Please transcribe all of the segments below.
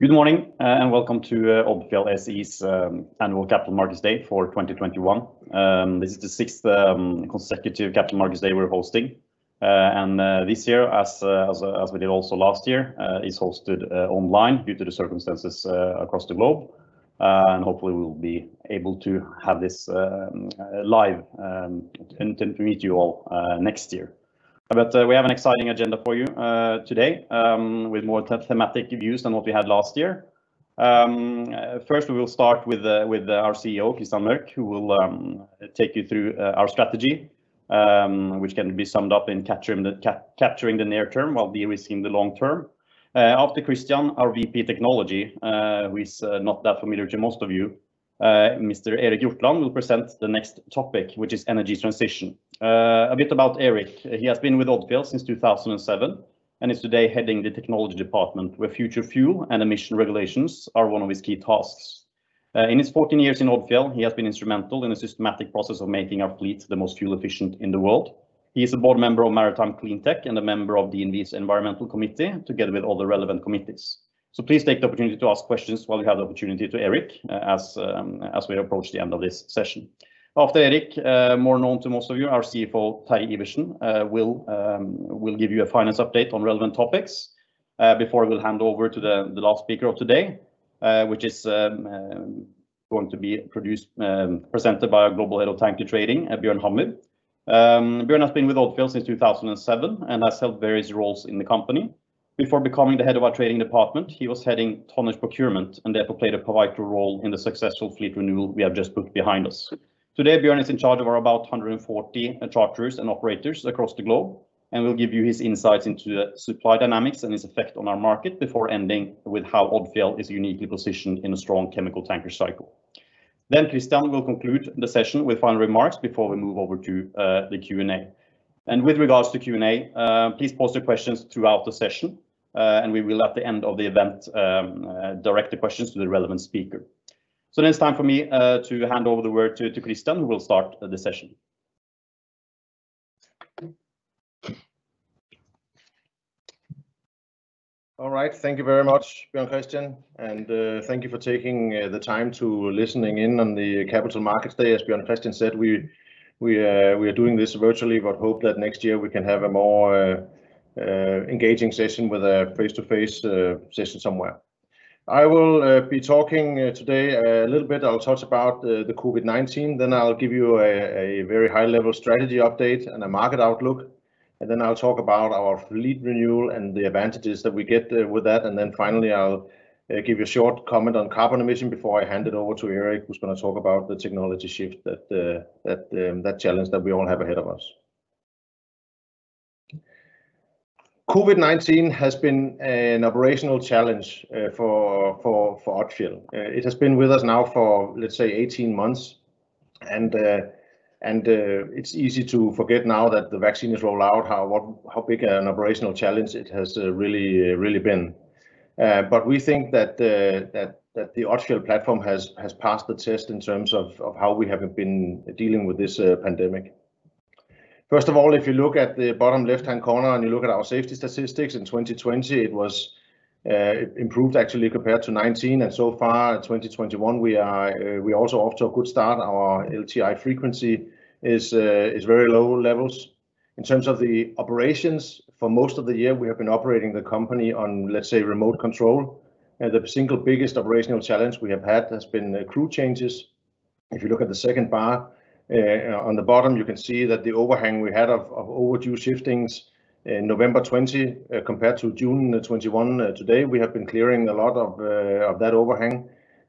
Good morning, and welcome to Odfjell SE's Annual Capital Markets Day for 2021. This is the sixth consecutive Capital Markets Day we're hosting. This year, as with also last year, it is hosted online due to the circumstances across the globe. Hopefully, we'll be able to have this live and to meet you all next year. We have an exciting agenda for you today with more thematic reviews than what we had last year. First, we will start with our CEO, Kristian Mørch, who will take you through our strategy, which can be summed up in capturing the near term while de-risking the long term. After Kristian, our VP Technology, who is not that familiar to most of you, Mr. Erik Hjortland, will present the next topic, which is energy transition. A bit about Erik. He has been with Odfjell since 2007 and is today heading the technology department, where future fuel and emission regulations are one of his key tasks. In his 14 years in Odfjell, he has been instrumental in the systematic process of making our fleet the most fuel efficient in the world. He's a board member of Maritime CleanTech and a member of DNV's Environmental Committee, together with other relevant committees. Please take the opportunity to ask questions while you have the opportunity to Erik, as we approach the end of this session. After Erik, more known to most of you, our CFO, Terje Iversen, will give you a finance update on relevant topics before we hand over to the last speaker of today, which is going to be presented by Global Tanker Trading, Bjørn Hammer. Bjørn has been with Odfjell since 2007 and has held various roles in the company. Before becoming the head of our trading department, he was heading Tonnage Procurement and therefore played a pivotal role in the successful fleet renewal we have just put behind us. Today, Bjørn is in charge of about 140 charterers and operators across the globe and will give you his insights into supply dynamics and its effect on our market before ending with how Odfjell is uniquely positioned in a strong chemical tanker cycle. Kristian will conclude the session with final remarks before we move over to the Q&A. With regards to Q&A, please post your questions throughout the session, and we will, at the end of the event, direct the questions to the relevant speaker. It is time for me to hand over the word to Kristian, who will start the session. All right. Thank you very much, Bjørn Kristian, and thank you for taking the time to listening in on the Capital Markets Day. As Bjørn Kristian said, we are doing this virtually. Hope that next year we can have a more engaging session with a face-to-face session somewhere. I will be talking today a little bit. I'll talk about the COVID-19. I'll give you a very high-level strategy update and a market outlook. I'll talk about our fleet renewal and the advantages that we get with that. Finally, I'll give you a short comment on carbon emission before I hand it over to Erik, who's going to talk about the technology shift, that challenge that we all have ahead of us. COVID-19 has been an operational challenge for Odfjell. It has been with us now for, let's say, 18 months, and it's easy to forget now that the vaccine is rolled out how big an operational challenge it has really been. We think that the Odfjell platform has passed the test in terms of how we have been dealing with this pandemic. First of all, if you look at the bottom left-hand corner and you look at our safety statistics in 2020, it was improved actually compared to 2019. So far in 2021, we are also off to a good start. Our LTI frequency is very low levels. In terms of the operations, for most of the year, we have been operating the company on, let's say, remote control. The single biggest operational challenge we have had has been crew changes. If you look at the second bar on the bottom, you can see that the overhang we had of overdue shiftings in November 2020 compared to June 2021 today, we have been clearing a lot of that overhang.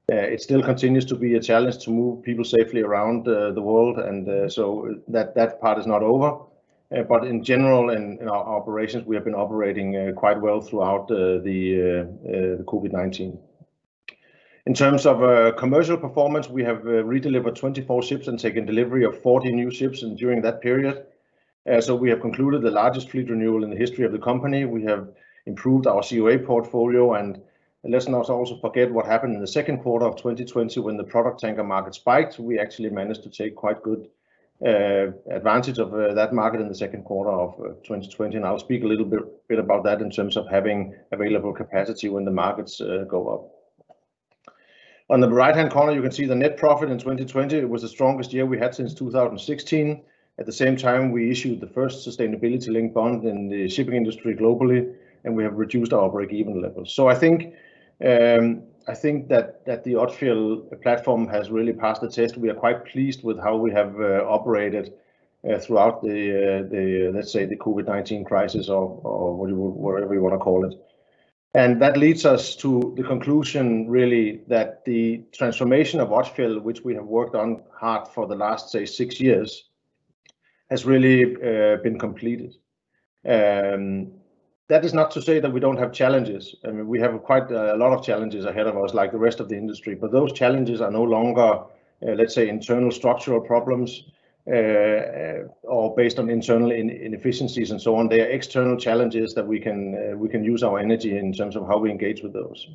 It still continues to be a challenge to move people safely around the world, but that part is not over. In general, in our operations, we have been operating quite well throughout the COVID-19. In terms of commercial performance, we have redelivered 24 ships and taken delivery of 40 new ships during that period. We have concluded the largest fleet renewal in the history of the company. We have improved our COA portfolio. Let's not also forget what happened in the second quarter of 2020 when the product tanker market spiked. We actually managed to take quite good advantage of that market in the second quarter of 2020. I'll speak a little bit about that in terms of having available capacity when the markets go up. On the right-hand corner, you can see the net profit in 2020. It was the strongest year we had since 2016. At the same time, we issued the first sustainability-linked bond in the shipping industry globally. We have reduced our breakeven levels. I think that the Odfjell platform has really passed the test. We are quite pleased with how we have operated throughout the, let's say, the COVID-19 crisis or whatever you want to call it. That leads us to the conclusion, really, that the transformation of Odfjell, which we have worked on hard for the last, say, six years, has really been completed. That is not to say that we don't have challenges. I mean, we have quite a lot of challenges ahead of us, like the rest of the industry. Those challenges are no longer, let's say, internal structural problems or based on internal inefficiencies and so on. They are external challenges that we can use our energy in terms of how we engage with those.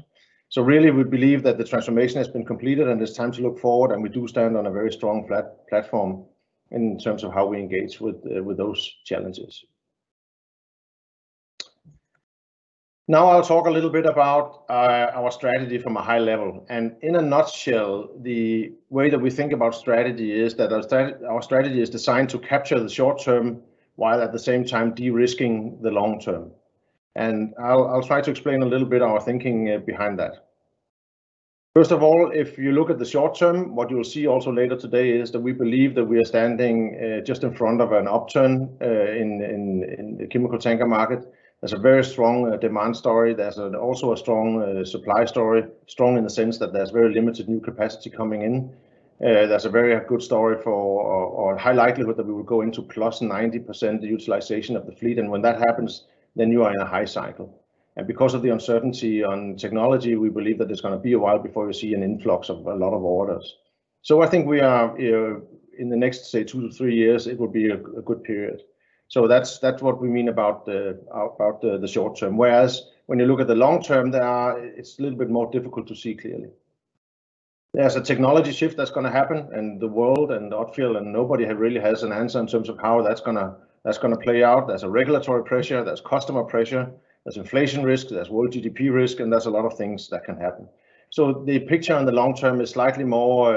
Really, we believe that the transformation has been completed, and it's time to look forward, and we do stand on a very strong platform in terms of how we engage with those challenges. Now I'll talk a little bit about our strategy from a high level. In a nutshell, the way that we think about strategy is that our strategy is designed to capture the short term while at the same time de-risking the long term. I'll try to explain a little bit our thinking behind that. First of all, if you look at the short term, what you'll see also later today is that we believe that we are standing just in front of an upturn in the chemical tanker market. There's a very strong demand story. There's also a strong supply story, strong in the sense that there's very limited new capacity coming in. That's a very good story for, or a high likelihood that we will go into +90% utilization of the fleet. When that happens, you are in a high cycle. Because of the uncertainty on technology, we believe that it's going to be a while before we see an influx of a lot of orders. I think we are in the next, say, two to three years, it will be a good period. That's what we mean about the short term. Whereas when you look at the long term, it's a little bit more difficult to see clearly. There's a technology shift that's going to happen in the world, Odfjell and nobody really has an answer in terms of how that's going to play out. There's a regulatory pressure, there's customer pressure, there's inflation risk, there's world GDP risk, there's a lot of things that can happen. The picture in the long term is slightly more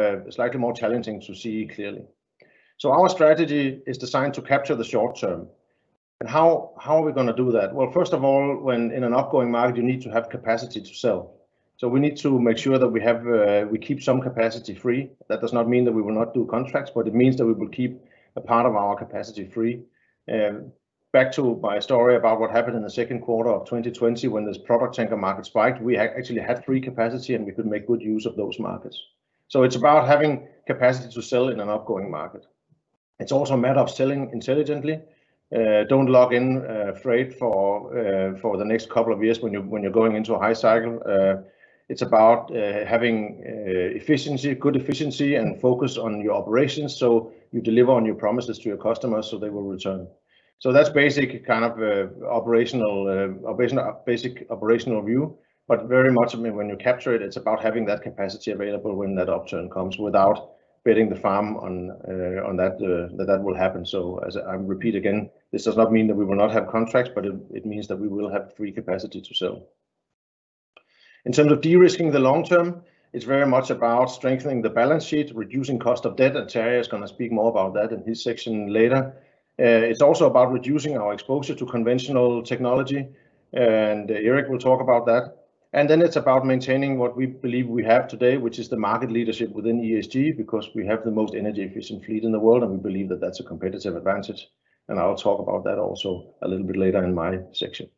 challenging to see clearly. Our strategy is designed to capture the short term. How are we going to do that? Well, first of all, when in an upcoming market, you need to have capacity to sell. We need to make sure that we keep some capacity free. That does not mean that we will not do contracts, but it means that we will keep a part of our capacity free. Back to my story about what happened in the second quarter of 2020 when this product tanker market spiked, we actually had free capacity, and we could make good use of those markets. It's about having capacity to sell in an upcoming market. It's also a matter of selling intelligently. Don't lock in freight for the next couple of years when you're going into a high cycle. It's about having good efficiency and focus on your operations so you deliver on your promises to your customers so they will return. That's basic operational view, but very much when you capture it's about having that capacity available when that upturn comes without betting the farm on that will happen. As I repeat again, this does not mean that we will not have contracts, but it means that we will have free capacity to sell. In terms of de-risking the long term, it's very much about strengthening the balance sheet, reducing cost of debt, and Terje is going to speak more about that in his section later. It's also about reducing our exposure to conventional technology, and Erik will talk about that. It's about maintaining what we believe we have today, which is the market leadership within ESG, because we have the most energy efficient fleet in the world, and we believe that that's a competitive advantage. I'll talk about that also a little bit later in my section.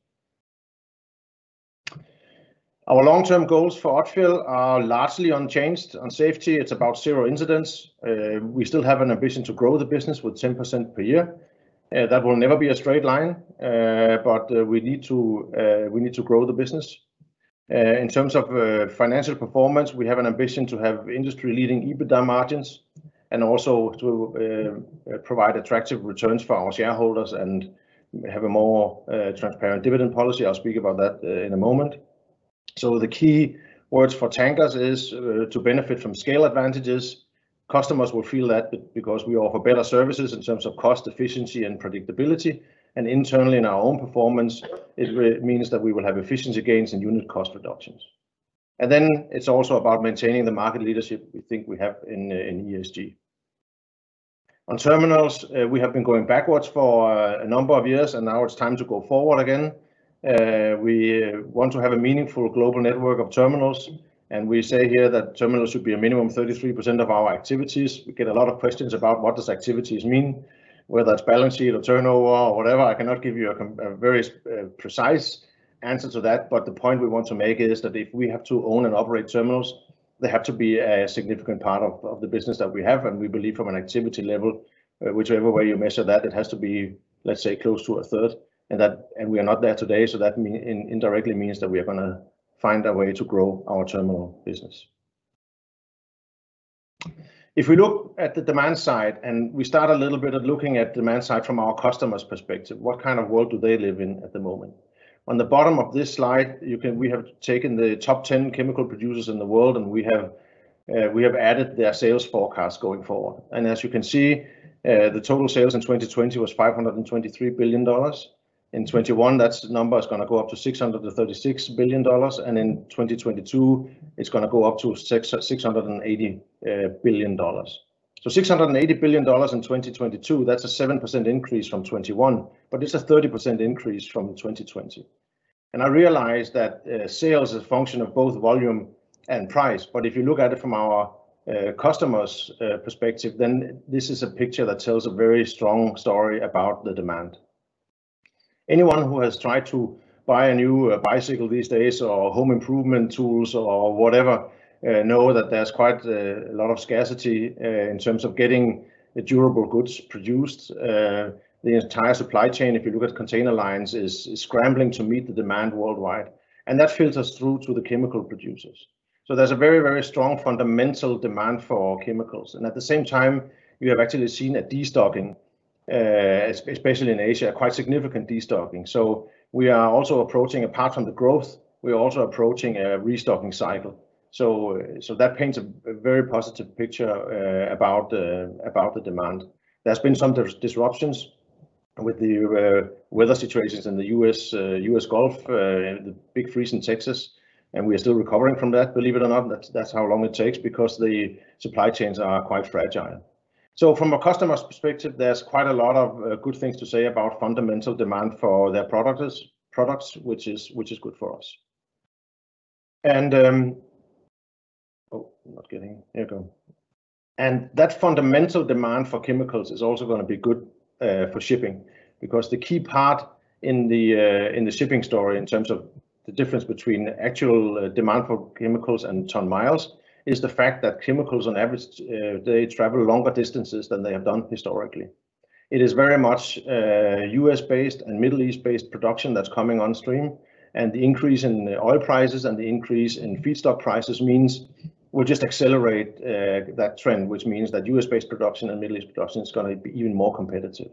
Our long-term goals for Odfjell are largely unchanged. On safety, it's about zero incidents. We still have an ambition to grow the business with 10% per year. That will never be a straight line, but we need to grow the business. In terms of financial performance, we have an ambition to have industry-leading EBITDA margins and also to provide attractive returns for our shareholders and have a more transparent dividend policy. I'll speak about that in a moment. The key words for tankers is to benefit from scale advantages. Customers will feel that because we offer better services in terms of cost efficiency and predictability. Internally in our own performance, it means that we will have efficiency gains and unit cost reductions. It's also about maintaining the market leadership we think we have in ESG. On terminals, we have been going backwards for a number of years, and now it's time to go forward again. We want to have a meaningful global network of terminals, and we say here that terminals should be a minimum 33% of our activities. We get a lot of questions about what does activities mean, whether it's balance sheet or turnover or whatever. I cannot give you a very precise answer to that, but the point we want to make is that if we have to own and operate terminals, they have to be a significant part of the business that we have. We believe from an activity level, whichever way you measure that, it has to be, let's say, close to a third. We are not there today, so that indirectly means that we are going to find a way to grow our terminal business. If we look at the demand side, we start a little bit of looking at demand side from our customer's perspective, what kind of world do they live in at the moment? On the bottom of this slide, we have taken the top 10 chemical producers in the world, we have added their sales forecast going forward. As you can see, the total sales in 2020 was $523 billion. In 2021, that number is going to go up to $636 billion, in 2022, it's going to go up to $680 billion. $680 billion in 2022, that's a 7% increase from 2021, it's a 30% increase from 2020. I realize that sales is a function of both volume and price. If you look at it from our customer's perspective, this is a picture that tells a very strong story about the demand. Anyone who has tried to buy a new bicycle these days or home improvement tools or whatever know that there's quite a lot of scarcity in terms of getting the durable goods produced. The entire supply chain, if you look at container lines, is scrambling to meet the demand worldwide. That filters through to the chemical producers. There's a very, very strong fundamental demand for our chemicals. At the same time, we have actually seen a de-stocking, especially in Asia, quite significant de-stocking. We are also approaching, apart from the growth, we're also approaching a restocking cycle. That paints a very positive picture about the demand. There's been some disruptions. With the weather situations in the U.S. Gulf, the big freeze in Texas, and we are still recovering from that, believe it or not. That's how long it takes because the supply chains are quite fragile. From a customer's perspective, there's quite a lot of good things to say about fundamental demand for their products, which is good for us. There you go. That fundamental demand for chemicals is also going to be good for shipping, because the key part in the shipping story in terms of the difference between actual demand for chemicals and ton miles, is the fact that chemicals on average day travel longer distances than they have done historically. It is very much U.S.-based and Middle East-based production that's coming on stream, and the increase in oil prices and the increase in feedstock prices means we'll just accelerate that trend, which means that U.S.-based production and Middle East production is going to be even more competitive.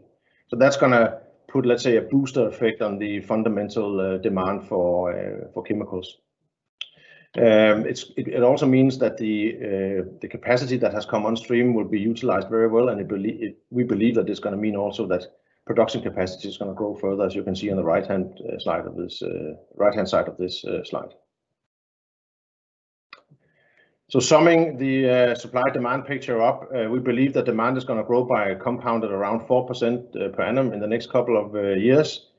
That's going to put, let's say, a booster effect on the fundamental demand for chemicals. It also means that the capacity that has come on stream will be utilized very well, and we believe that it's going to mean also that production capacity is going to grow further, as you can see on the right-hand side of this slide. Summing the supply-demand picture up, we believe the demand is going to grow by a compound at around 4% per annum in the next couple of years.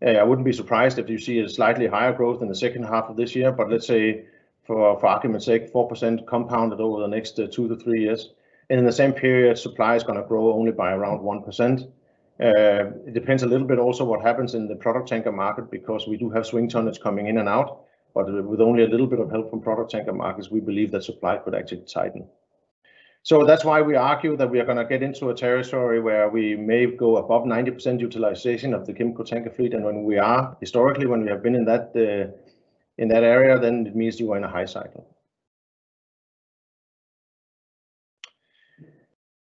I wouldn't be surprised if you see a slightly higher growth in the second half of this year, but let's say for argument's sake, 4% compounded over the next two to three years. In the same period, supply is going to grow only by around 1%. It depends a little bit also what happens in the product tanker market because we do have swing tonnage coming in and out. With only a little bit of help from product tanker markets, we believe that supply could actually tighten. That's why we argue that we are going to get into a territory where we may go above 90% utilization of the chemical tanker fleet. When we are, historically, when we have been in that area, then it means we are in a high cycle.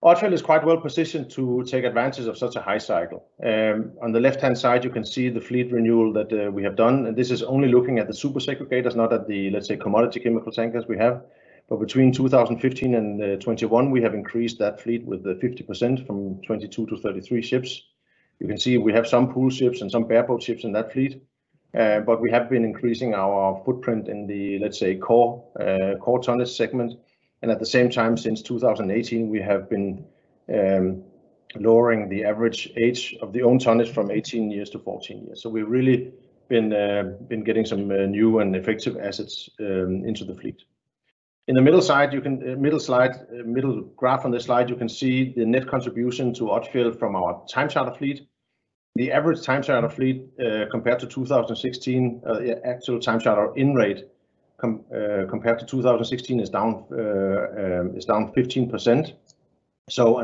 Odfjell is quite well-positioned to take advantage of such a high cycle. On the left-hand side, you can see the fleet renewal that we have done, and this is only looking at the super segregators, not at the, let's say, commodity chemical tankers we have. Between 2015 and 2021, we have increased that fleet with 50% from 22-33 ships. You can see we have some pool ships and some bareboat ships in that fleet. We have been increasing our footprint in the, let's say, core tonnage segment. At the same time, since 2018, we have been lowering the average age of the owned tonnage from 18 years-14 years. We've really been getting some new and effective assets into the fleet. In the middle graph on this slide, you can see the net contribution to Odfjell from our time charter fleet. The average time charter fleet compared to 2016, actual time charter in rate compared to 2016 is down 15%.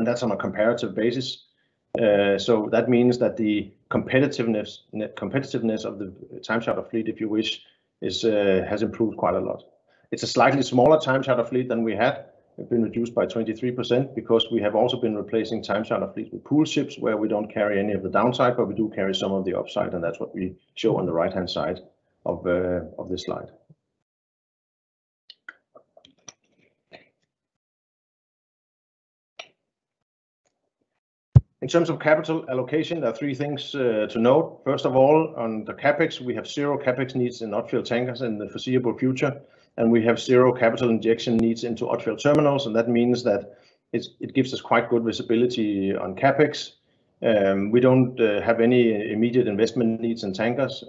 That's on a comparative basis. That means that the competitiveness of the time charter fleet, if you wish, has improved quite a lot. It's a slightly smaller time charter fleet than we have. It's been reduced by 23% because we have also been replacing time charter fleet with pool ships where we don't carry any of the downside, but we do carry some of the upside, and that's what we show on the right-hand side of this slide. In terms of capital allocation, there are three things to note. First of all, on the CapEx, we have zero CapEx needs in Odfjell Tankers in the foreseeable future, and we have zero capital injection needs into Odfjell Terminals, that means that it gives us quite good visibility on CapEx. We don't have any immediate investment needs in tankers.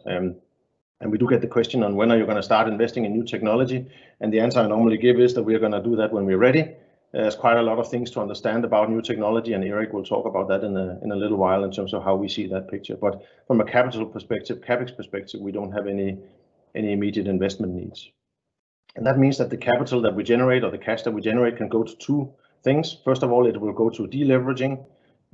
We do get the question on when are you going to start investing in new technology? The answer I normally give is that we're going to do that when we're ready. There's quite a lot of things to understand about new technology, and Erik will talk about that in a little while in terms of how we see that picture. From a capital perspective, CapEx perspective, we don't have any immediate investment needs. That means that the capital that we generate or the cash that we generate can go to two things. First of all, it will go to deleveraging,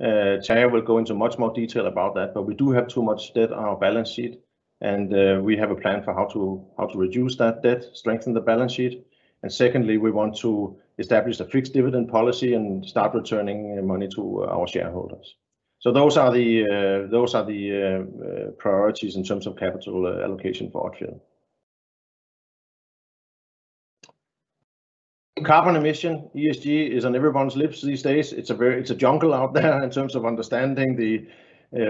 Terje will go into much more detail about that, but we do have too much debt on our balance sheet, and we have a plan for how to reduce that debt, strengthen the balance sheet. Secondly, we want to establish a fixed dividend policy and start returning money to our shareholders. Those are the priorities in terms of capital allocation for Odfjell. Carbon emission, ESG, is on everyone's lips these days. It's a jungle out there in terms of understanding the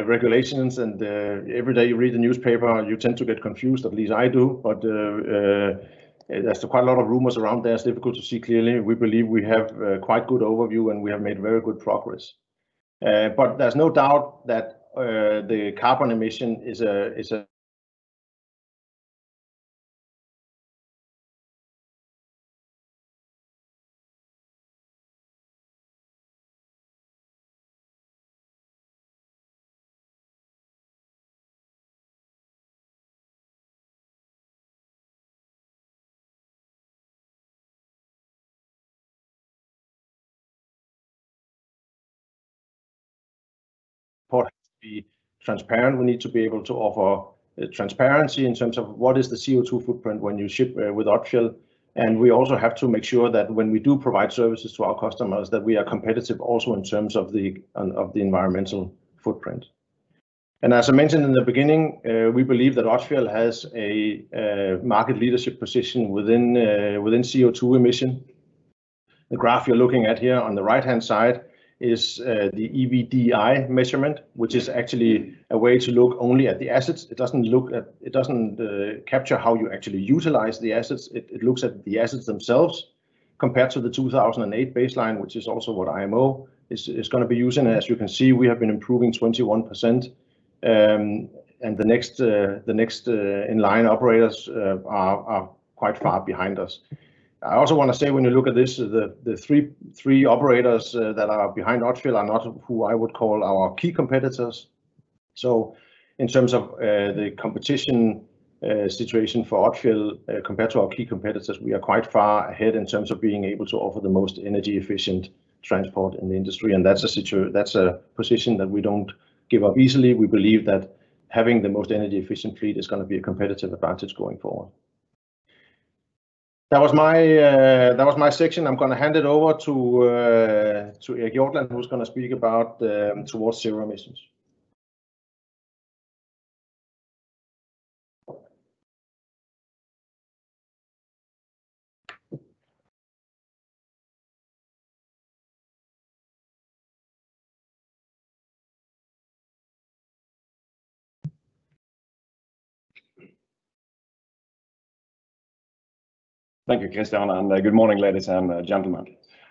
regulations. Every day you read the newspaper, you tend to get confused, at least I do. There's quite a lot of rumors around. It's difficult to see clearly. We believe we have quite good overview. We have made very good progress. There's no doubt that the carbon emission is transparent. We need to be able to offer transparency in terms of what is the CO2 footprint when you ship with Odfjell. We also have to make sure that when we do provide services to our customers, that we are competitive also in terms of the environmental footprint. As I mentioned in the beginning, we believe that Odfjell has a market leadership position within CO2 emission. The graph you're looking at here on the right-hand side is the EVDI measurement, which is actually a way to look only at the assets. It doesn't capture how you actually utilize the assets. It looks at the assets themselves compared to the 2008 baseline, which is also what IMO is going to be using. As you can see, we have been improving 21%, and the next in-line operators are quite far behind us. I also want to say when you look at this, the three operators that are behind Odfjell are not who I would call our key competitors. In terms of the competition situation for Odfjell compared to our key competitors, we are quite far ahead in terms of being able to offer the most energy efficient transport in the industry. That's a position that we don't give up easily. We believe that having the most energy efficient fleet is going to be a competitive advantage going forward. That was my section. I'm going to hand it over to Erik Hjortland, who's going to speak about towards zero emissions. Thank you, Kristian. Good morning, ladies and gentlemen.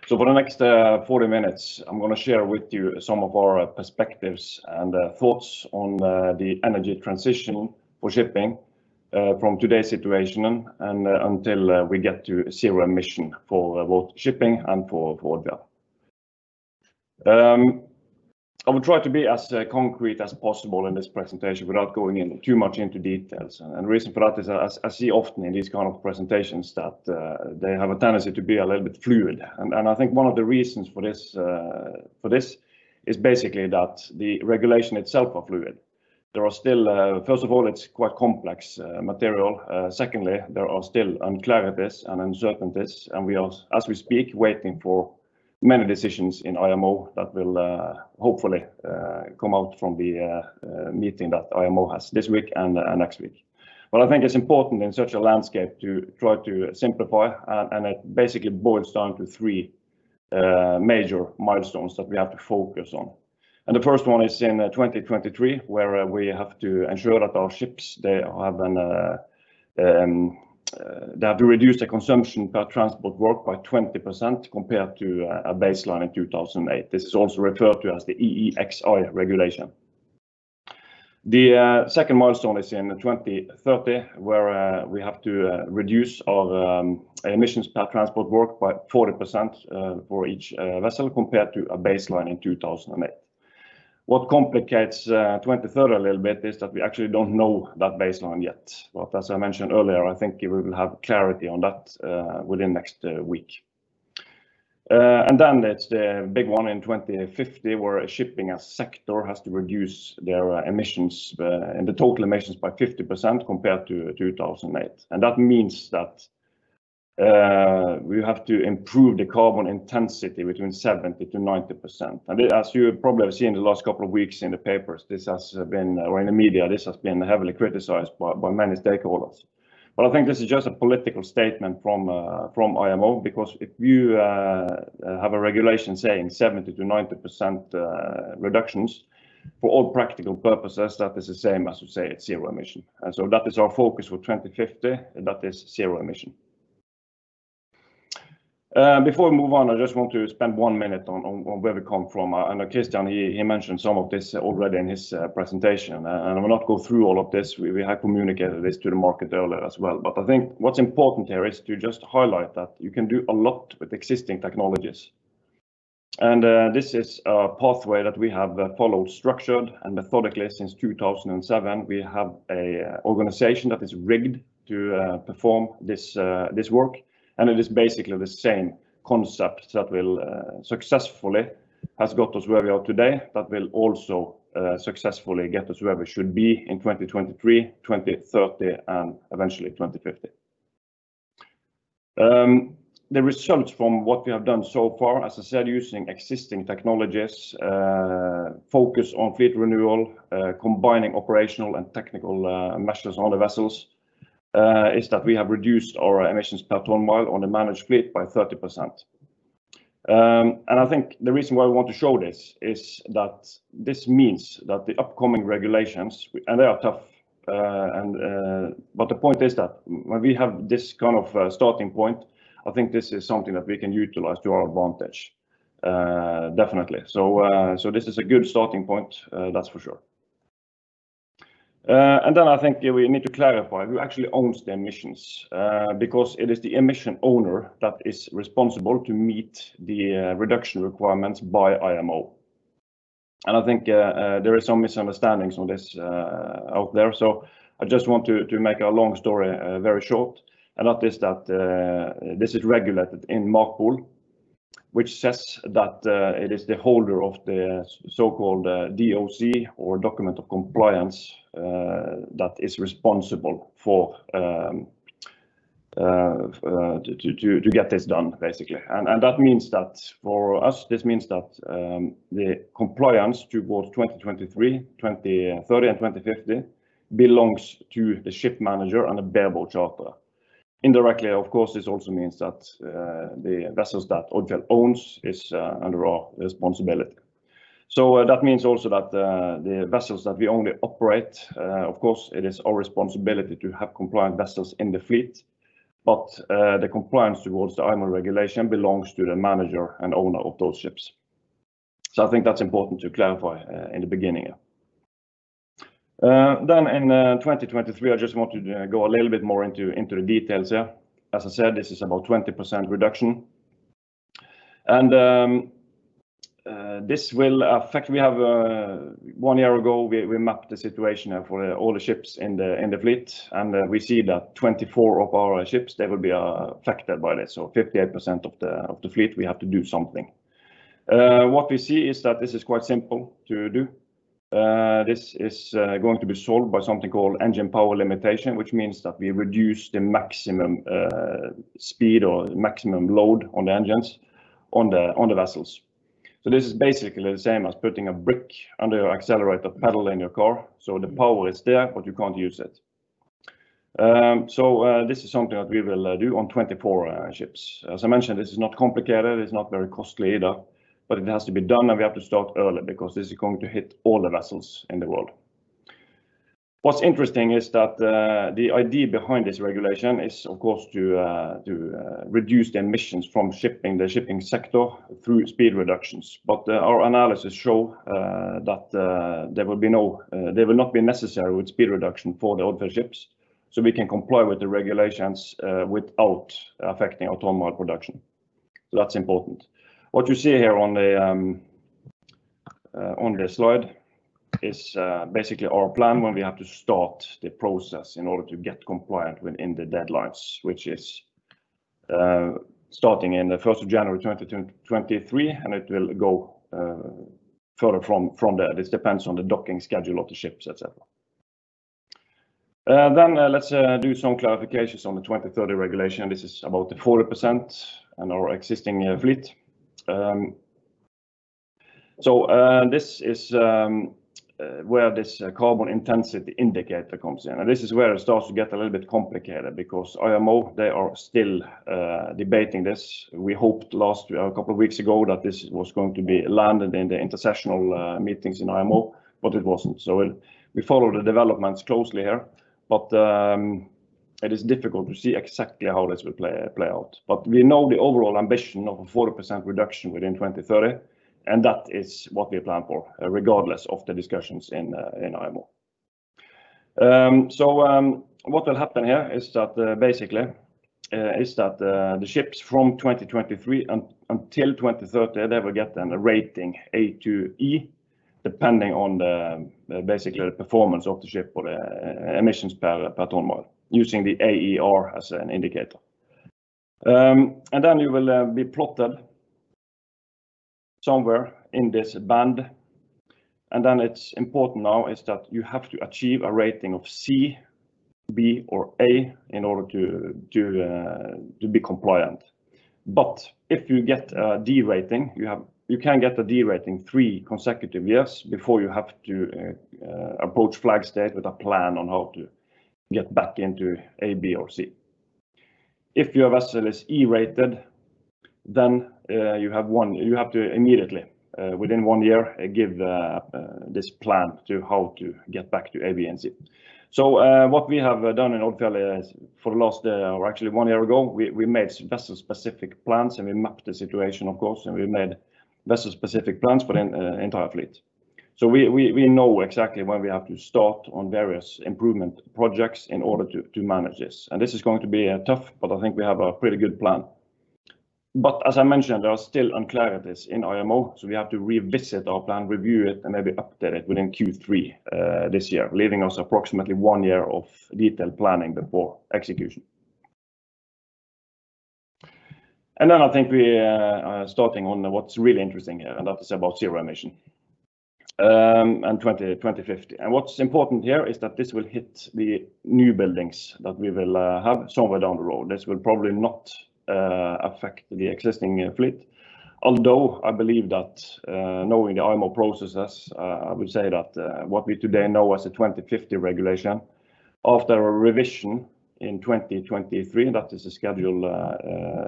For the next 40 minutes, I'm going to share with you some of our perspectives and thoughts on the energy transition for shipping from today's situation and until we get to zero emission for both shipping and for Odfjell. I will try to be as concrete as possible in this presentation without going too much into details. The reason for that is I see often in these kind of presentations that they have a tendency to be a little bit fluid. I think one of the reasons for this is basically that the regulation itself are fluid. First of all, it's quite complex material. Secondly, there are still uncertainties, and we are, as we speak, waiting for many decisions in IMO that will hopefully come out from the meeting that IMO has this week and next week. I think it's important in such a landscape to try to simplify, and it basically boils down to three major milestones that we have to focus on. The first one is in 2023, where we have to ensure that our ships, they have to reduce the consumption per transport work by 20% compared to a baseline in 2008. This is also referred to as the EEXI regulation. The second milestone is in 2030, where we have to reduce our emissions per transport work by 40% for each vessel compared to a baseline in 2008. What complicates 2030 a little bit is that we actually don't know that baseline yet. As I mentioned earlier, I think we will have clarity on that within next week. Then there's the big one in 2050, where shipping as sector has to reduce their total emissions by 50% compared to 2008. That means that we have to improve the carbon intensity between 70%-90%. As you have probably seen in the last couple of weeks in the papers or in the media, this has been heavily criticized by many stakeholders. I think this is just a political statement from IMO because if you have a regulation saying 70%-90% reductions, for all practical purposes, that is the same as to say it's zero emission. That is our focus for 2050, and that is zero emission. Before we move on, I just want to spend one minute on where we come from. I know Kristian, he mentioned some of this already in his presentation, and I will not go through all of this. We have communicated this to the market earlier as well. I think what's important here is to just highlight that you can do a lot with existing technologies. This is a pathway that we have followed structured and methodically since 2007. We have an organization that is rigged to perform this work, and it is basically the same concept that successfully has got us where we are today that will also successfully get us where we should be in 2023, 2030, and eventually 2050. The results from what we have done so far, as I said, using existing technologies focus on fleet renewal combining operational and technical measures on the vessels is that we have reduced our emissions per ton mile on the managed fleet by 30%. I think the reason why I want to show this is that this means that the upcoming regulations, and they are tough, but the point is that when we have this kind of a starting point, I think this is something that we can utilize to our advantage, definitely. This is a good starting point, that's for sure. I think we need to clarify who actually owns the emissions because it is the emission owner that is responsible to meet the reduction requirements by IMO. I think there are some misunderstandings on this out there. I just want to make a long story very short, and that is that this is regulated in MARPOL, which says that it is the holder of the so-called DOC or document of compliance that is responsible to get this done, basically. That means that for us, this means that the compliance to both 2023, 2030, and 2050 belongs to a ship manager and a bareboat charter. Indirectly, of course, this also means that the vessels that Odfjell owns is under our responsibility. That means also that the vessels that we only operate, of course, it is our responsibility to have compliant vessels in the fleet, but the compliance towards the IMO regulation belongs to the manager and owner of those ships. I think that's important to clarify in the beginning. In 2023, I just wanted to go a little bit more into the details here. As I said, this is about 20% reduction. One year ago, we mapped the situation for all the ships in the fleet, and we see that 24 of our ships, they will be affected by this. 58% of the fleet, we have to do something. What we see is that this is quite simple to do. This is going to be solved by something called engine power limitation, which means that we reduce the maximum speed or maximum load on the engines on the vessels. This is basically the same as putting a brick under the accelerator pedal in your car. The power is there, but you can't use it. This is something that we will do on 24hr ships. As I mentioned, it's not complicated. It's not very costly either, but it has to be done, and we have to start early because this is going to hit all the vessels in the world. What's interesting is that the idea behind this regulation is, of course, to reduce the emissions from the shipping sector through speed reductions. Our analysis show that they will not be necessary with speed reduction for the Odfjell ships. We can comply with the regulations without affecting our ton mile production. That's important. What you see here on the slide is basically our plan when we have to start the process in order to get compliant within the deadlines, which is starting in the 1st of January 2023, and it will go further from there. This depends on the docking schedule of the ships, etc. Let's do some clarifications on the 2030 regulation. This is about the 40% in our existing fleet. This is where this carbon intensity indicator comes in. This is where it starts to get a little bit complicated because IMO, they are still debating this. We hoped a couple of weeks ago that this was going to be landed in the intersessional meetings in IMO, it wasn't. We follow the developments closely here, it is difficult to see exactly how this will play out. We know the overall ambition of a 40% reduction within 2030, that is what we plan for, regardless of the discussions in IMO. What will happen here is that the ships from 2023 until 2030, they will get a rating A to E depending on basically the performance of the ship or the emissions per ton mile using the AER as an indicator. You will be plotted somewhere in this band. It is important now is that you have to achieve a rating of C, B, or A in order to be compliant. If you get a D rating, you can get a D rating three consecutive years before you have to approach flag state with a plan on how to get back into A, B, or C. If your vessel is E-rated, then you have to immediately, within one year, give this plan to how to get back to A, B, and C. What we have done in Odfjell is for the last, or actually one year ago, we made vessel-specific plans, and we mapped the situation, of course, and we made vessel-specific plans for the entire fleet. We know exactly when we have to start on various improvement projects in order to manage this. This is going to be tough, but I think we have a pretty good plan. As I mentioned, there are still uncertainties in IMO, so we have to revisit our plan, review it, and maybe update it within Q3 this year, leaving us approximately one year of detailed planning before execution. I think we are starting on what's really interesting here, and that's about zero emission and 2050. What's important here is that this will hit the newbuildings that we will have somewhere down the road. This will probably not affect the existing fleet. Although I believe that knowing the IMO processes, I would say that what we today know as a 2050 regulation after a revision in 2023, that is a scheduled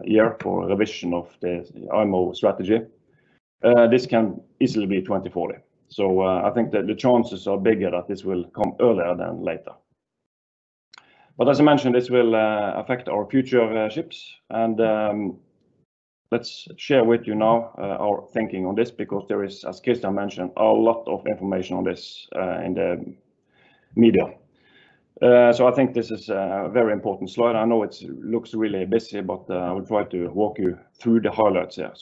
year for revision of the IMO strategy, this can easily be 2040. I think that the chances are bigger that this will come earlier than later. As I mentioned, this will affect our future ships. Let's share with you now our thinking on this because there is, as Chris mentioned, a lot of information on this in the media. I think this is a very important slide. I know it looks really busy, but I will try to walk you through the highlights here.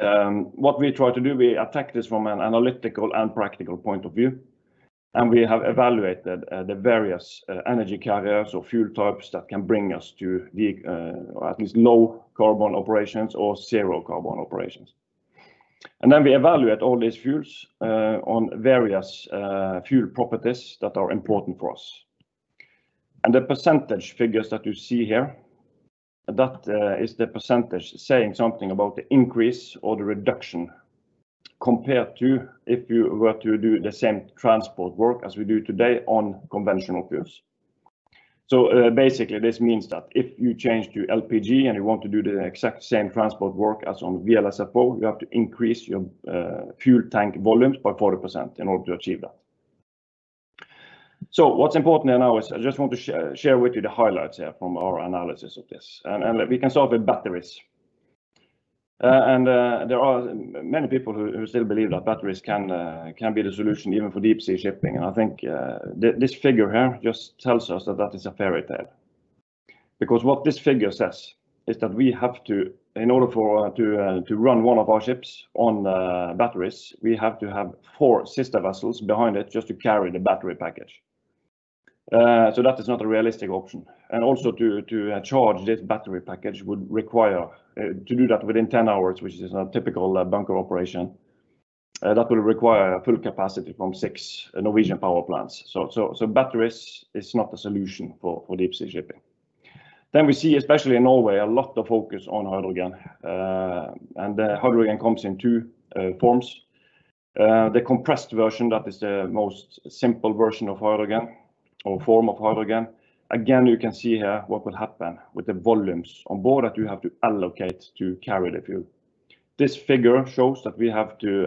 What we try to do, we attack this from an analytical and practical point of view, and we have evaluated the various energy carriers or fuel types that can bring us to at least low-carbon operations or zero-carbon operations. Then we evaluate all these fuels on various fuel properties that are important for us. The percentage figures that you see here, that is the percentage saying something about the increase or the reduction compared to if you were to do the same transport work as we do today on conventional fuels. Basically, this means that if you change to LPG and you want to do the exact same transport work as on VLSFO, you have to increase your fuel tank volumes by 40% in order to achieve that. What's important now is I just want to share with you the highlights here from our analysis of this. We can start with batteries. There are many people who still believe that batteries can be the solution even for deep sea shipping. I think this figure here just tells us that is a fairytale. Because what this figure says is that in order for us to run one of our ships on batteries, we have to have four sister vessels behind it just to carry the battery package. That is not a realistic option. To charge this battery package, to do that within 10 hours, which is a typical bunker operation, that will require a full capacity from six Norwegian power plants. Batteries is not a solution for deep sea shipping. We see, especially in Norway, a lot of focus on hydrogen. Hydrogen comes in two forms. The compressed version, that is the most simple version of hydrogen or form of hydrogen. Again, you can see here what will happen with the volumes on board that you have to allocate to carry the fuel. This figure shows that we have to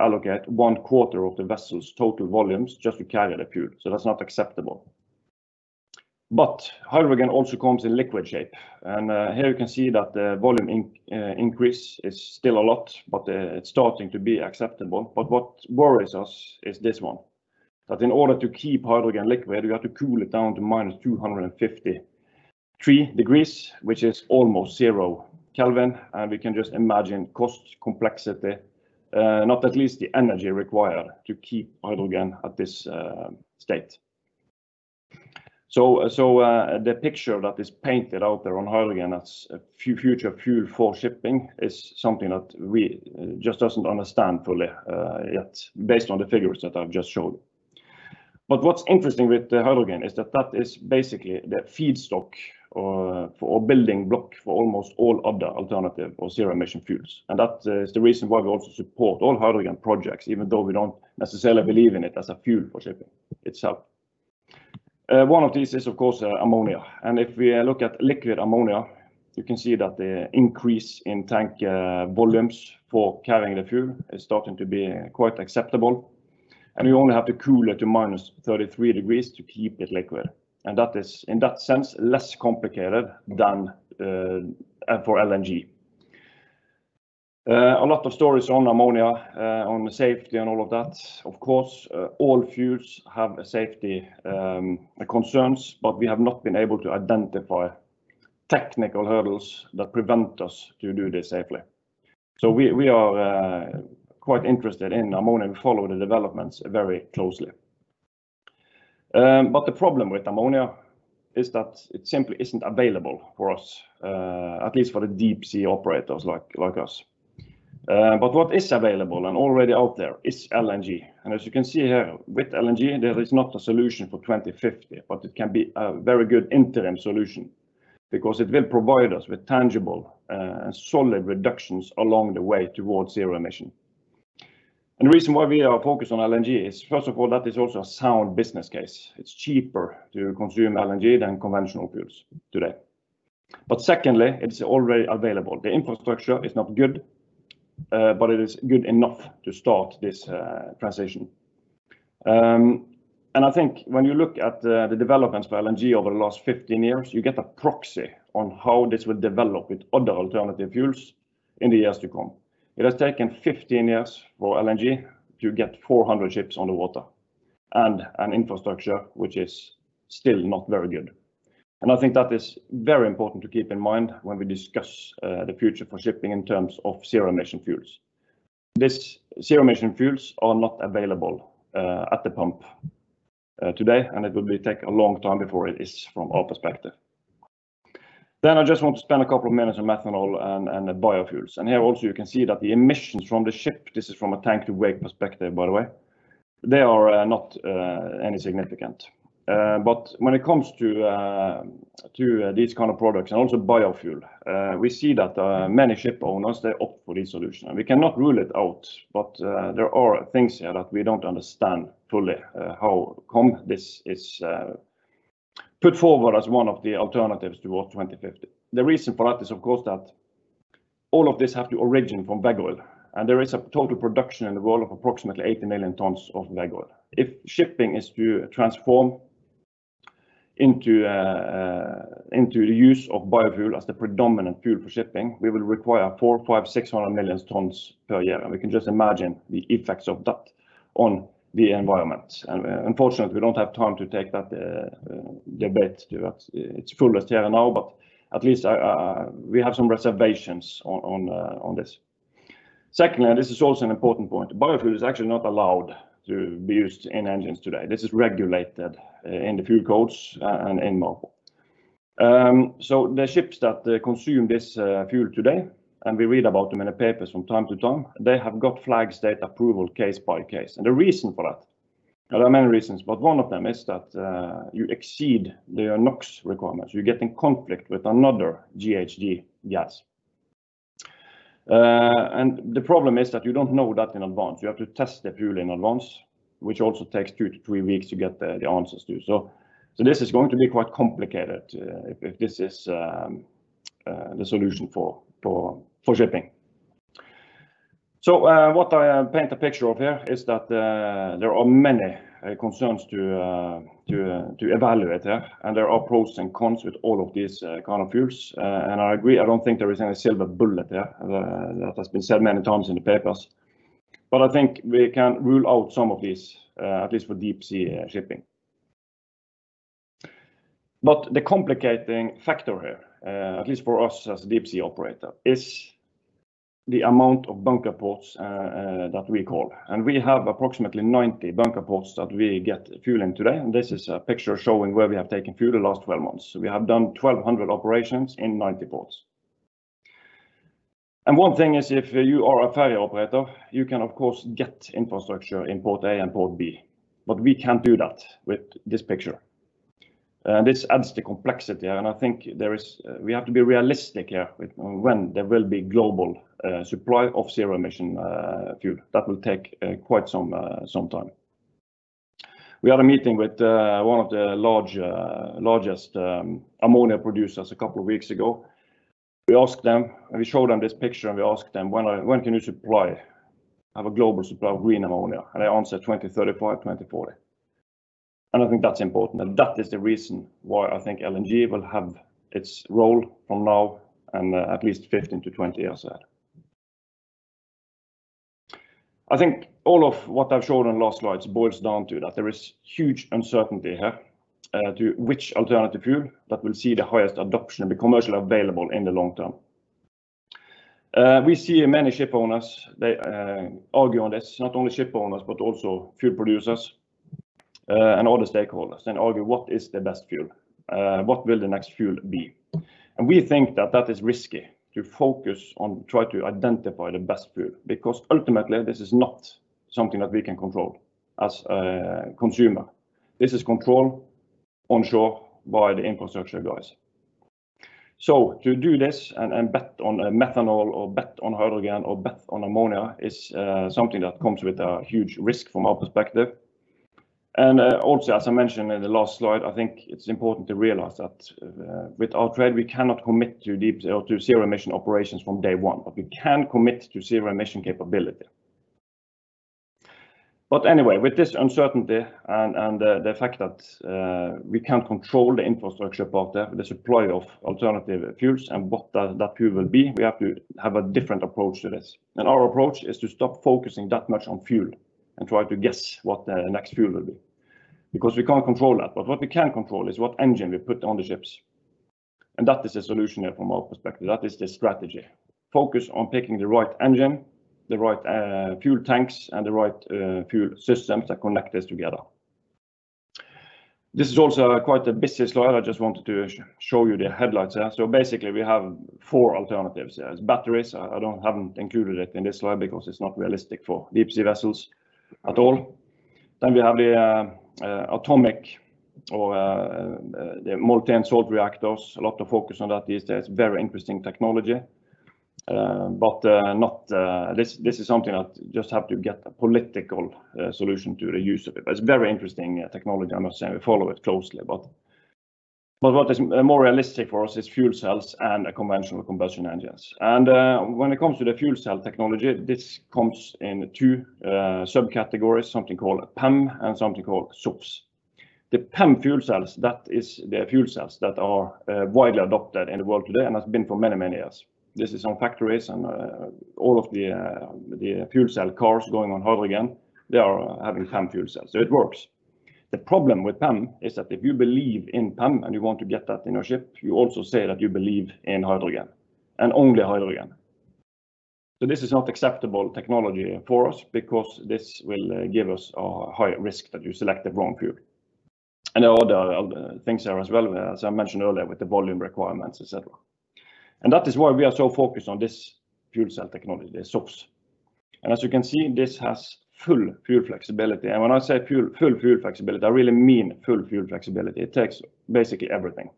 allocate one quarter of the vessel's total volumes just to carry the fuel. That's not acceptable. Hydrogen also comes in liquid shape, and here you can see that the volume increase is still a lot, but it's starting to be acceptable. What worries us is this one, that in order to keep hydrogen liquid, you have to cool it down to -253 degrees, which is almost zero Kelvin. We can just imagine cost complexity, not at least the energy required to keep hydrogen at this state. The picture that is painted out there on hydrogen as a future fuel for shipping is something that we just don't understand fully yet based on the figures that I've just shown. What's interesting with the hydrogen is that that is basically the feedstock or building block for almost all other alternative or zero emission fuels. That is the reason why we also support all hydrogen projects, even though we don't necessarily believe in it as a fuel for shipping itself. One of these is, of course, ammonia. If we look at liquid ammonia, you can see that the increase in tank volumes for carrying the fuel is starting to be quite acceptable. We only have to cool it to -33 degrees to keep it liquid. That is, in that sense, less complicated than for LNG. A lot of stories on ammonia, on the safety and all of that. Of course, all fuels have safety concerns, but we have not been able to identify technical hurdles that prevent us to do this safely. We are quite interested in ammonia, we follow the developments very closely. The problem with ammonia is that it simply isn't available for us, at least for the deep sea operators like us. What is available and already out there is LNG. As you can see here with LNG, that is not a solution for 2050, but it can be a very good interim solution because it will provide us with tangible and solid reductions along the way towards zero emission. The reason why we are focused on LNG is, first of all, that is also a sound business case. It's cheaper to consume LNG than conventional fuels today. Secondly, it's already available. The infrastructure is not good, but it is good enough to start this transition. I think when you look at the developments for LNG over the last 15 years, you get a proxy on how this will develop with other alternative fuels in the years to come. It has taken 15 years for LNG to get 400 ships on the water and an infrastructure which is still not very good. I think that is very important to keep in mind when we discuss the future for shipping in terms of zero emission fuels. These zero emission fuels are not available at the pump today, and it will take a long time before it is from our perspective. I just want to spend a couple of minutes on methanol and biofuels. Here also, you can see that the emissions from the ship, this is from a tank to wake perspective, by the way, they are not any significant. When it comes to these kind of products and also biofuel, we see that many ship owners, they opt for this solution. We cannot rule it out. There are things here that we don't understand fully how come this is put forward as one of the alternatives towards 2050. The reason for that is, of course, that all of this have to origin from veg oil. There is a total production in the world of approximately 80 million tons of veg oil. If shipping is to transform into the use of biofuel as the predominant fuel for shipping, we will require 400 million, 500 million, 600 million tons per year. We can just imagine the effects of that on the environment. Unfortunately, we don't have time to take that debate to its fullest here now, but at least we have some reservations on this. Secondly, this is also an important point. Biofuel is actually not allowed to be used in engines today. This is regulated in the fuel codes. The ships that consume this fuel today, and we read about them in the papers from time to time, they have got flag state approval case by case. The reason for that, there are many reasons, but one of them is that you exceed the NOx requirements. You get in conflict with another GHG gas. The problem is that you don't know that in advance, you have to test the fueling in advance, which also takes two to three weeks to get the answers to. This is going to be quite complicated if this is the solution for shipping. What I paint a picture of here is that there are many concerns to evaluate here, and there are pros and cons with all of these kind of fuels. I agree, I don't think there is any silver bullet here. That has been said many times in the papers. I think we can rule out some of these, at least for deep sea shipping. The complicating factor here, at least for us as a deep sea operator, is the amount of bunker ports that we call. We have approximately 90 bunker ports that we get fueling today. This is a picture showing where we have taken fuel the last 12 months. We have done 1,200 operations in 90 ports. One thing is, if you are a ferry operator, you can of course get infrastructure in port A and port B, but we can't do that with this picture. This adds to the complexity, and I think we have to be realistic here with when there will be global supply of zero-emission fuel. That will take quite some time. We had a meeting with one of the largest ammonia producers a couple of weeks ago. We showed them this picture, and we asked them, "When can you have a global supply of green ammonia?" They answered 2035, 2040. I think that's important, and that is the reason why I think LNG will have its role from now and at least 15-20 years ahead. I think all of what I've shown on the last slides boils down to that there is huge uncertainty here to which alternative fuel that will see the highest adoption be commercially available in the long term. We see many shipowners argue on this. Not only ship owners, but also fuel producers and other stakeholders argue, what is the best fuel? What will the next fuel be? We think that is risky to focus on trying to identify the best fuel, because ultimately this is not something that we can control as a consumer. This is controlled onshore by the infrastructure guys. To do this and bet on methanol or bet on hydrogen or bet on ammonia is something that comes with a huge risk from our perspective. Also, as I mentioned in the last slide, I think it's important to realize that with our trade, we cannot commit to zero emission operations from day one, but we can commit to zero emission capability. With this uncertainty and the fact that we can't control the infrastructure part there, the supply of alternative fuels and what that fuel will be, we have to have a different approach to this. Our approach is to stop focusing that much on fuel and try to guess what the next fuel will be, because we can't control that. What we can control is what engine we put on the ships, and that is the solution here from our perspective. That is the strategy. Focus on picking the right engine, the right fuel tanks, and the right fuel systems that connect this together. This is also quite a busy slide. I just wanted to show you the headlines here. We have four alternatives. There's batteries. I haven't included it in this slide because it's not realistic for deep sea vessels at all. We have the atomic or the molten salt reactors. A lot of focus on that these days. Very interesting technology, but this is something that you just have to get a political solution to the use of it. It's very interesting technology. I'm not saying we follow it closely, but what is more realistic for us is fuel cells and conventional combustion engines. When it comes to the fuel cell technology, this comes in two subcategories, something called PEM and something called SOFC. The PEM fuel cells, that is the fuel cells that are widely adopted in the world today and has been for many, many years. This is on factories and all of the fuel cell cars going on hydrogen, they are having PEM fuel cells. It works. The problem with PEM is that if you believe in PEM and you want to get that in your ship, you also say that you believe in hydrogen and only hydrogen. This is not acceptable technology for us because this will give us a higher risk that you select the wrong fuel. The other things there as well, as I mentioned earlier, with the volume requirements, etc. That is why we are so focused on this fuel cell technology, the SOFC. As you can see, this has full fuel flexibility, and when I say full fuel flexibility, I really mean full fuel flexibility. It takes basically everything.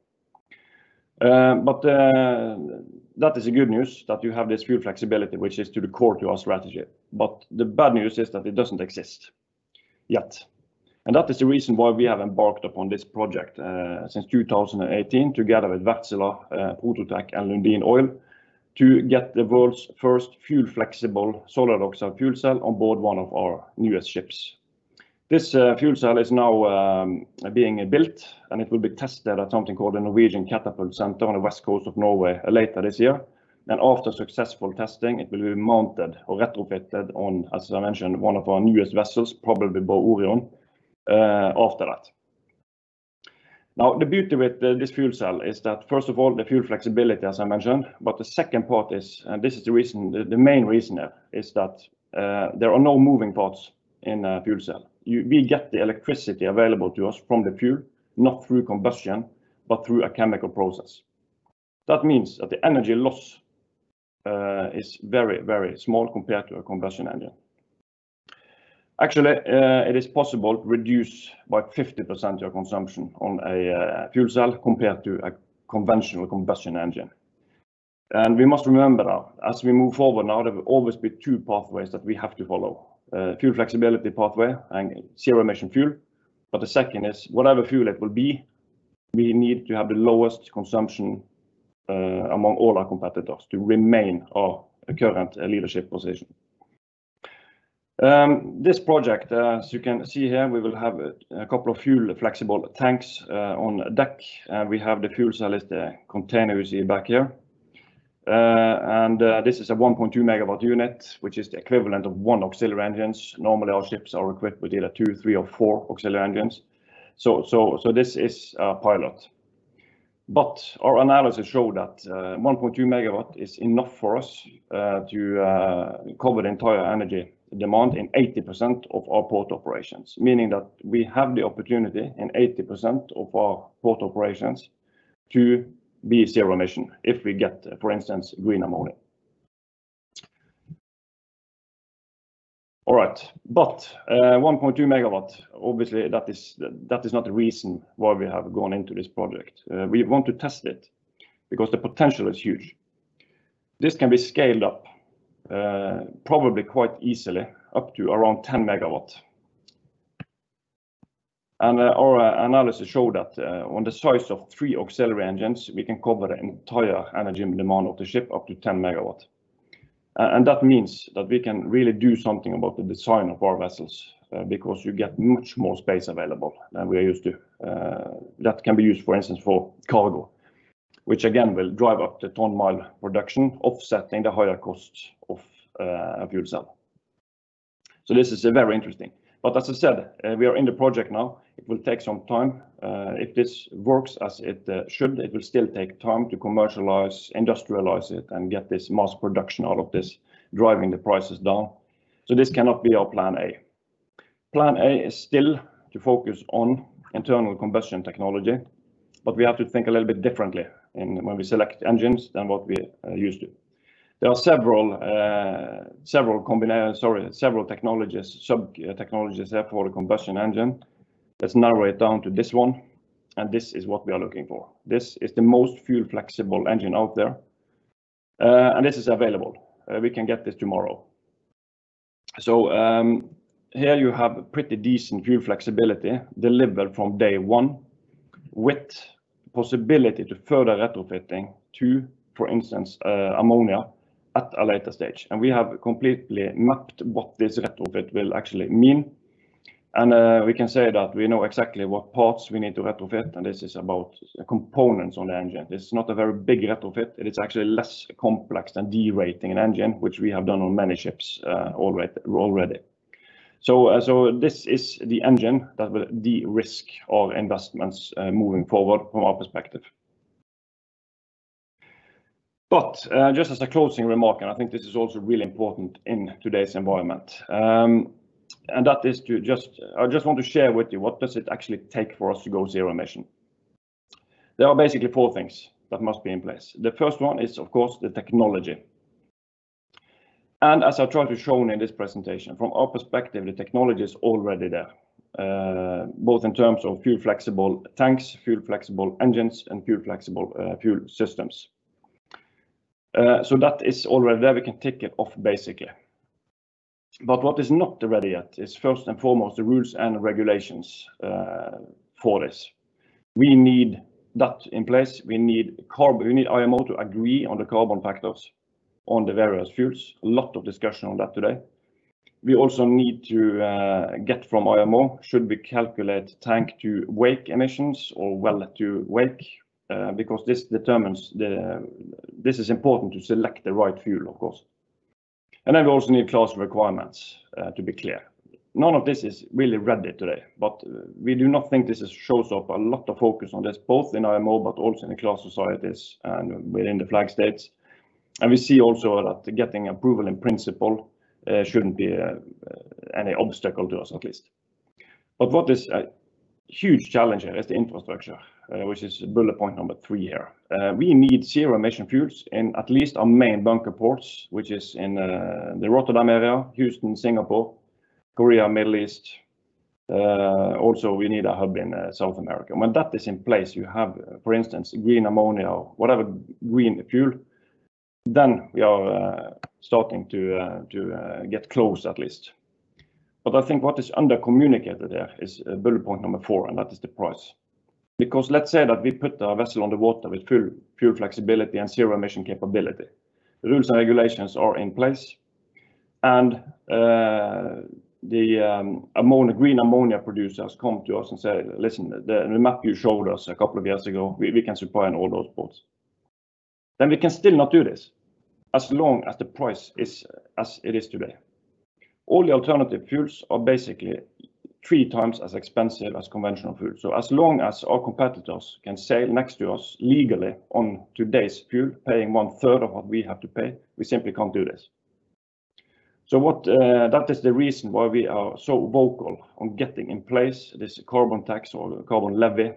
That is the good news, that you have this fuel flexibility, which is to the core to our strategy. The bad news is that it doesn't exist yet. That is the reason why we have embarked upon this project since 2018 together with Wärtsilä, Prototech, and Lundin Energy, to get the world's first fuel-flexible solid oxide fuel cell on board one of our newest ships. This fuel cell is now being built, and it will be tested at something called the Norwegian Catapult Center on the west coast of Norway later this year. After successful testing, it will be mounted or retrofitted on, as I mentioned, one of our newest vessels, probably Bow Orion, after that. Now, the beauty with this fuel cell is that, first of all, the fuel flexibility, as I mentioned, but the second part is, and this is the main reason, is that there are no moving parts in a fuel cell. We get the electricity available to us from the fuel, not through combustion, but through a chemical process. That means that the energy losses is very small compared to a combustion engine. Actually, it is possible to reduce by 50% your consumption on a fuel cell compared to a conventional combustion engine. We must remember that as we move forward now, there will always be two pathways that we have to follow. Fuel flexibility pathway and zero-emission fuel. The second is whatever fuel it will be, we need to have the lowest consumption among all our competitors to remain our current leadership position. This project, as you can see here, we will have a couple of fuel flexible tanks on deck. We have the fuel cell, it's the container you see back here. This is a 1.2 MW unit, which is the equivalent of one auxiliary engine. Normally, our ships are equipped with either two, three or four auxiliary engines. This is a pilot. Our analysis showed that 1.2 MW is enough for us to cover the entire energy demand in 80% of our port operations, meaning that we have the opportunity in 80% of our port operations to be zero emission if we get, for instance, green ammonia. All right. 1.2 MW, obviously that is not the reason why we have gone into this project. We want to test it because the potential is huge. This can be scaled up probably quite easily up to around 10 MW. Our analysis showed that on the size of three auxiliary engines, we can cover the entire energy demand of the ship up to 10 MW. That means that we can really do something about the design of our vessels because you get much more space available than we are used to. That can be used, for instance, for cargo, which again, will drive up the ton mile production, offsetting the higher costs of a fuel cell. This is very interesting. As I said, we are in the project now. It will take some time. If this works as it should, it will still take time to commercialize, industrialize it and get this mass production out of this, driving the prices down. This cannot be our plan A. Plan A is still to focus on internal combustion technology, but we have to think a little bit differently when we select engines than what we are used to. There are several technologies, sub-technologies there for a combustion engine. Let's narrow it down to this one. This is what we are looking for. This is the most fuel flexible engine out there. This is available. We can get this tomorrow. Here you have a pretty decent fuel flexibility delivered from day one with possibility to further retrofitting to, for instance, ammonia at a later stage. We have completely mapped what this retrofit will actually mean. We can say that we know exactly what parts we need to retrofit. This is about components on the engine. This is not a very big retrofit. It is actually less complex than derating an engine, which we have done on many ships already. This is the engine that will de-risk all investments moving forward from our perspective. Just as a closing remark, and I think this is also really important in today's environment, and that is I just want to share with you what does it actually take for us to go zero emission? There are basically four things that must be in place. The first one is, of course, the technology. As I tried to show in this presentation, from our perspective, the technology is already there, both in terms of fuel flexible tanks, fuel flexible engines, and fuel flexible fuel systems. That is already there. We can tick it off, basically. What is not there ready yet is first and foremost the rules and regulations for this. We need that in place. We need IMO to agree on the carbon factors on the various fuels. A lot of discussion on that today. We also need to get from IMO, should we calculate tank-to-wake emissions or well-to-wake? Because this is important to select the right fuel, of course. We also need class requirements to be clear. None of this is really ready today, but we do not think this shows up a lot of focus on this, both in IMO but also in the class societies and within the flag states. We see also that getting approval in principle shouldn't be any obstacle to us at least. What is a huge challenge here is the infrastructure, which is bullet point number three here. We need zero emission fuels in at least our main bunker ports, which is in the Rotterdam area, Houston, Singapore, Korea, Middle East. Also, we need a hub in South America. When that is in place, you have, for instance, green ammonia or whatever green fuel, then we are starting to get close at least. I think what is under-communicated there is bullet point number four, and that is the price. Let's say that we put a vessel on the water with fuel flexibility and zero emission capability. The rules and regulations are in place. The green ammonia producer has come to us and said, "Listen, the map you showed us a couple of years ago, we can supply on all those ports." We can still not do this as long as the price is as it is today. All the alternative fuels are basically three times as expensive as conventional fuel. As long as our competitors can sail next to us legally on today's fuel, paying one third of what we have to pay, we simply can't do this. That is the reason why we are so vocal on getting in place this carbon tax or carbon levy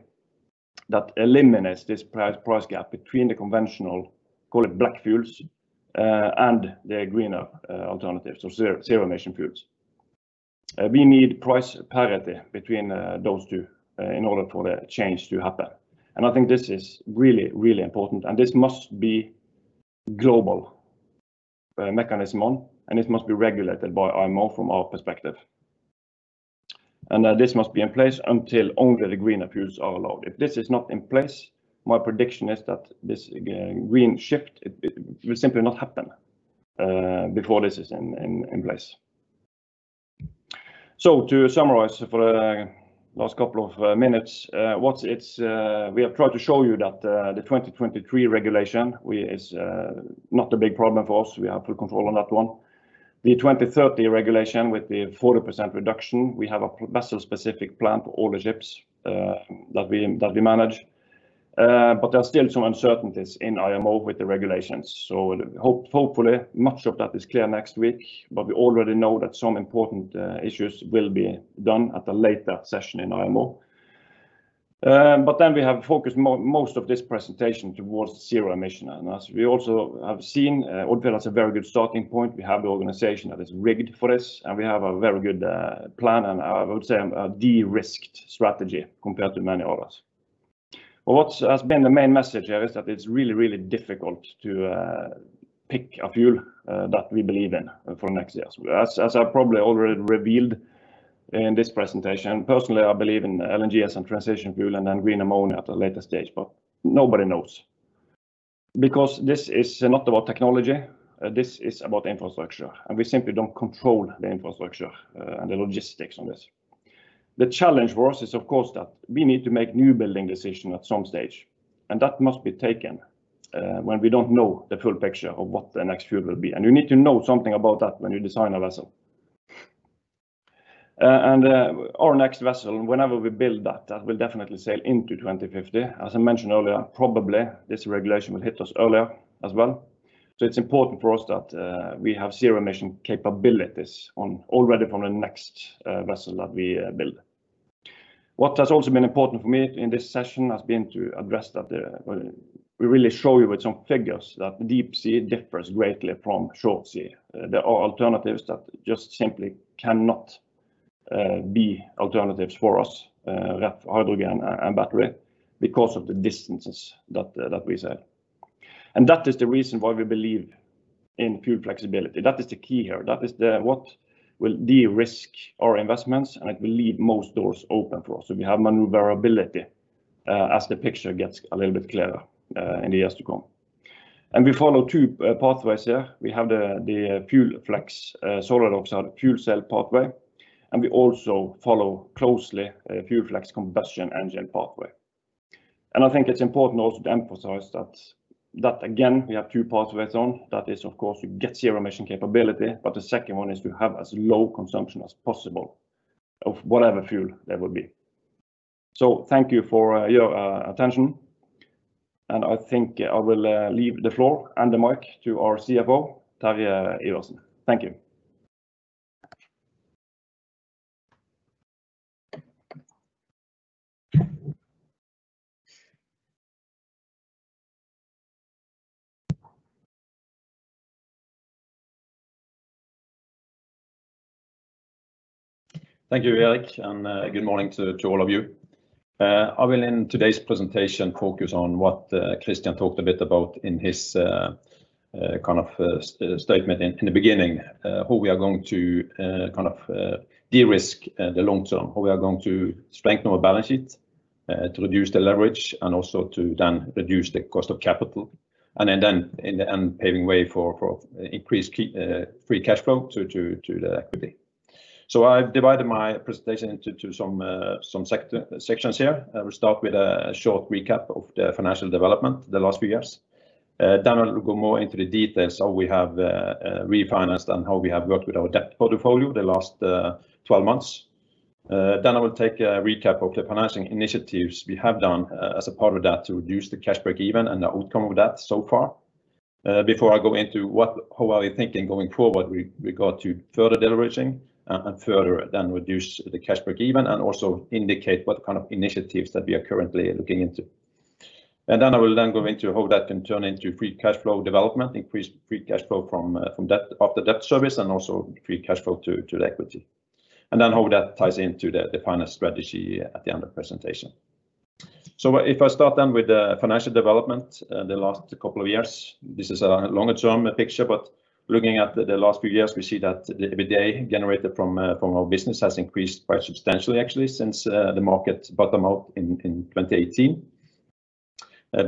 that eliminates this price gap between the conventional called black fuels and the greener alternatives of zero emission fuels. We need price parity between those two in order for the change to happen. I think this is really, really important and this must be global mechanism, and it must be regulated by IMO from our perspective. This must be in place until only the greener fuels are allowed. If this is not in place, my prediction is that this green shift will simply not happen before this is in place. To summarize for the last couple of minutes, we have tried to show you that the 2023 regulation is not a big problem for us. We have good control on that one. The 2030 regulation with the 40% reduction, we have a vessel-specific plan for all the ships that we manage. There are still some uncertainties in IMO with the regulations. Hopefully much of that is clear next week. We already know that some important issues will be done at a later session in IMO. We have focused most of this presentation towards zero emission. As we also have seen, Odfjell has a very good starting point. We have the organization that is rigged for this, and we have a very good plan and I would say a de-risked strategy compared to many others. What has been the main message is that it's really difficult to pick a fuel that we believe in for next year. As I probably already revealed in this presentation, personally, I believe in LNG as a transition fuel and then green ammonia at a later stage, but nobody knows because this is not about technology, this is about infrastructure, and we simply don't control the infrastructure and the logistics on this. The challenge for us is of course, that we need to make new building decision at some stage, and that must be taken when we don't know the full picture of what the next fuel will be. You need to know something about that when you design a vessel. Our next vessel, whenever we build that will definitely sail into 2050. As I mentioned earlier, probably this regulation will hit us earlier as well. It's important for us that we have zero emission capabilities already on the next vessel that we build. What has also been important for me in this session has been to really show you with some figures that deep sea differs greatly from short sea. There are alternatives that just simply cannot be alternatives for us, hydrogen and battery, because of the distances that we sail. That is the reason why we believe in fuel flexibility. That is the key here. That is what will de-risk our investments and it will leave most doors open for us. We have maneuverability as the picture gets a little bit clearer in the years to come. We follow two pathways here. We have the fuel flex solid oxide fuel cell pathway, and we also follow closely a fuel flex combustion engine pathway. I think it's important also to emphasize that again, we have two pathways on that is of course to get zero emission capability, but the second one is to have as low consumption as possible of whatever fuel that will be. Thank you for your attention and I think I will leave the floor and the mic to our CFO, Terje Iversen. Thank you. Thank you, Erik, and good morning to all of you. I will in today's presentation focus on what Kristian talked a bit about in his statement in the beginning, how we are going to de-risk the long term, how we are going to strengthen our balance sheet to reduce the leverage and also to then reduce the cost of capital and then in the end paving way for increased free cash flow to the equity. I've divided my presentation into some sections here. I will start with a short recap of the financial development the last few years. I will go more into the details how we have refinanced and how we have worked with our debt portfolio the last 12 months. I will take a recap of the financing initiatives we have done as a part of that to reduce the cash break-even and the outcome of that so far. Before I go into how we are thinking going forward regard to further deleveraging and further then reduce the cash break-even and also indicate what kind of initiatives that we are currently looking into. I will then go into how that can turn into free cash flow development, increase free cash flow from after debt service and also free cash flow to the equity. How that ties into the finance strategy at the end of presentation. If I start with the financial development the last couple of years, this is a longer-term picture but looking at the last few years we see that the EBITDA generated from our business has increased quite substantially actually since the market bottom out in 2018.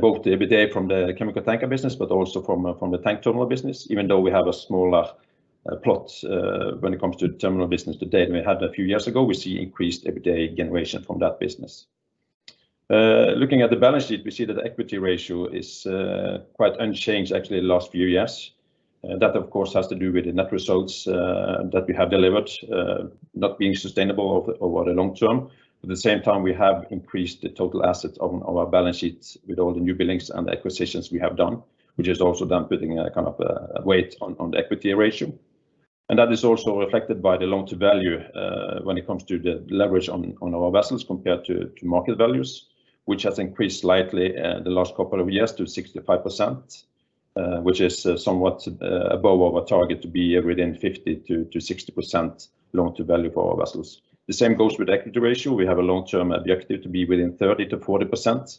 Both the EBITDA from the chemical tanker business but also from the tank terminal business even though we have a smaller plot when it comes to terminal business today than we had a few years ago, we see increased EBITDA generation from that business. Looking at the balance sheet, we see that equity ratio is quite unchanged actually the last few years. That of course has to do with the net results that we have delivered not being sustainable over the long term. At the same time, we have increased the total assets on our balance sheet with all the newbuildings and acquisitions we have done, which has also then put a weight on the equity ratio. That is also reflected by the loan-to-value when it comes to the leverage on our vessels compared to market values, which has increased slightly in the last couple of years to 65%, which is somewhat above our target to be within 50%-60% loan-to-value for our vessels. The same goes with equity ratio, we have a long-term objective to be within 30%-40%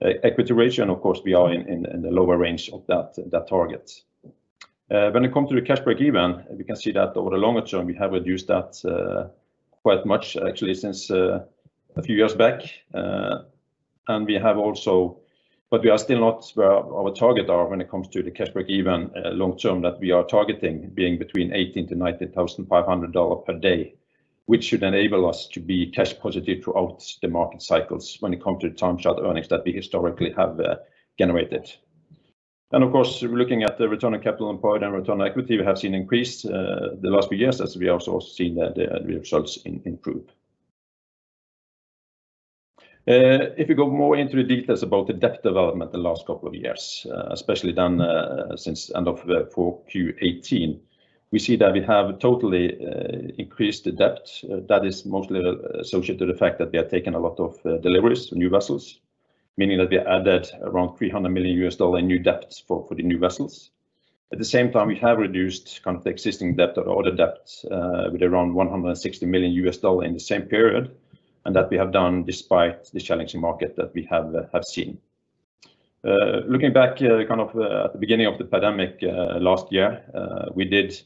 equity ratio. Of course, we are in the lower range of that target. When it comes to the cash break-even, we can see that over the longer term, we have reduced that quite much actually since a few years back. We are still not where our target are when it comes to the cash break-even long term that we are targeting being between $18,000-$19,500 per day, which should enable us to be cash positive throughout the market cycles when it comes to time charter earnings that we historically have generated. Of course, looking at the return on capital employed and return equity, we have seen increase the last few years as we have also seen that the results improve. If you go more into the details about the debt development the last couple of years, especially then since end of 4Q18, we see that we have totally increased the debt. That is mostly associated with the fact that we have taken a lot of deliveries of new vessels, meaning that we added around $300 million U.S. new debt for the new vessels. At the same time, we have reduced existing debt or older debt with around $160 million in the same period, and that we have done despite the challenging market that we have seen. Looking back at the beginning of the pandemic last year, we did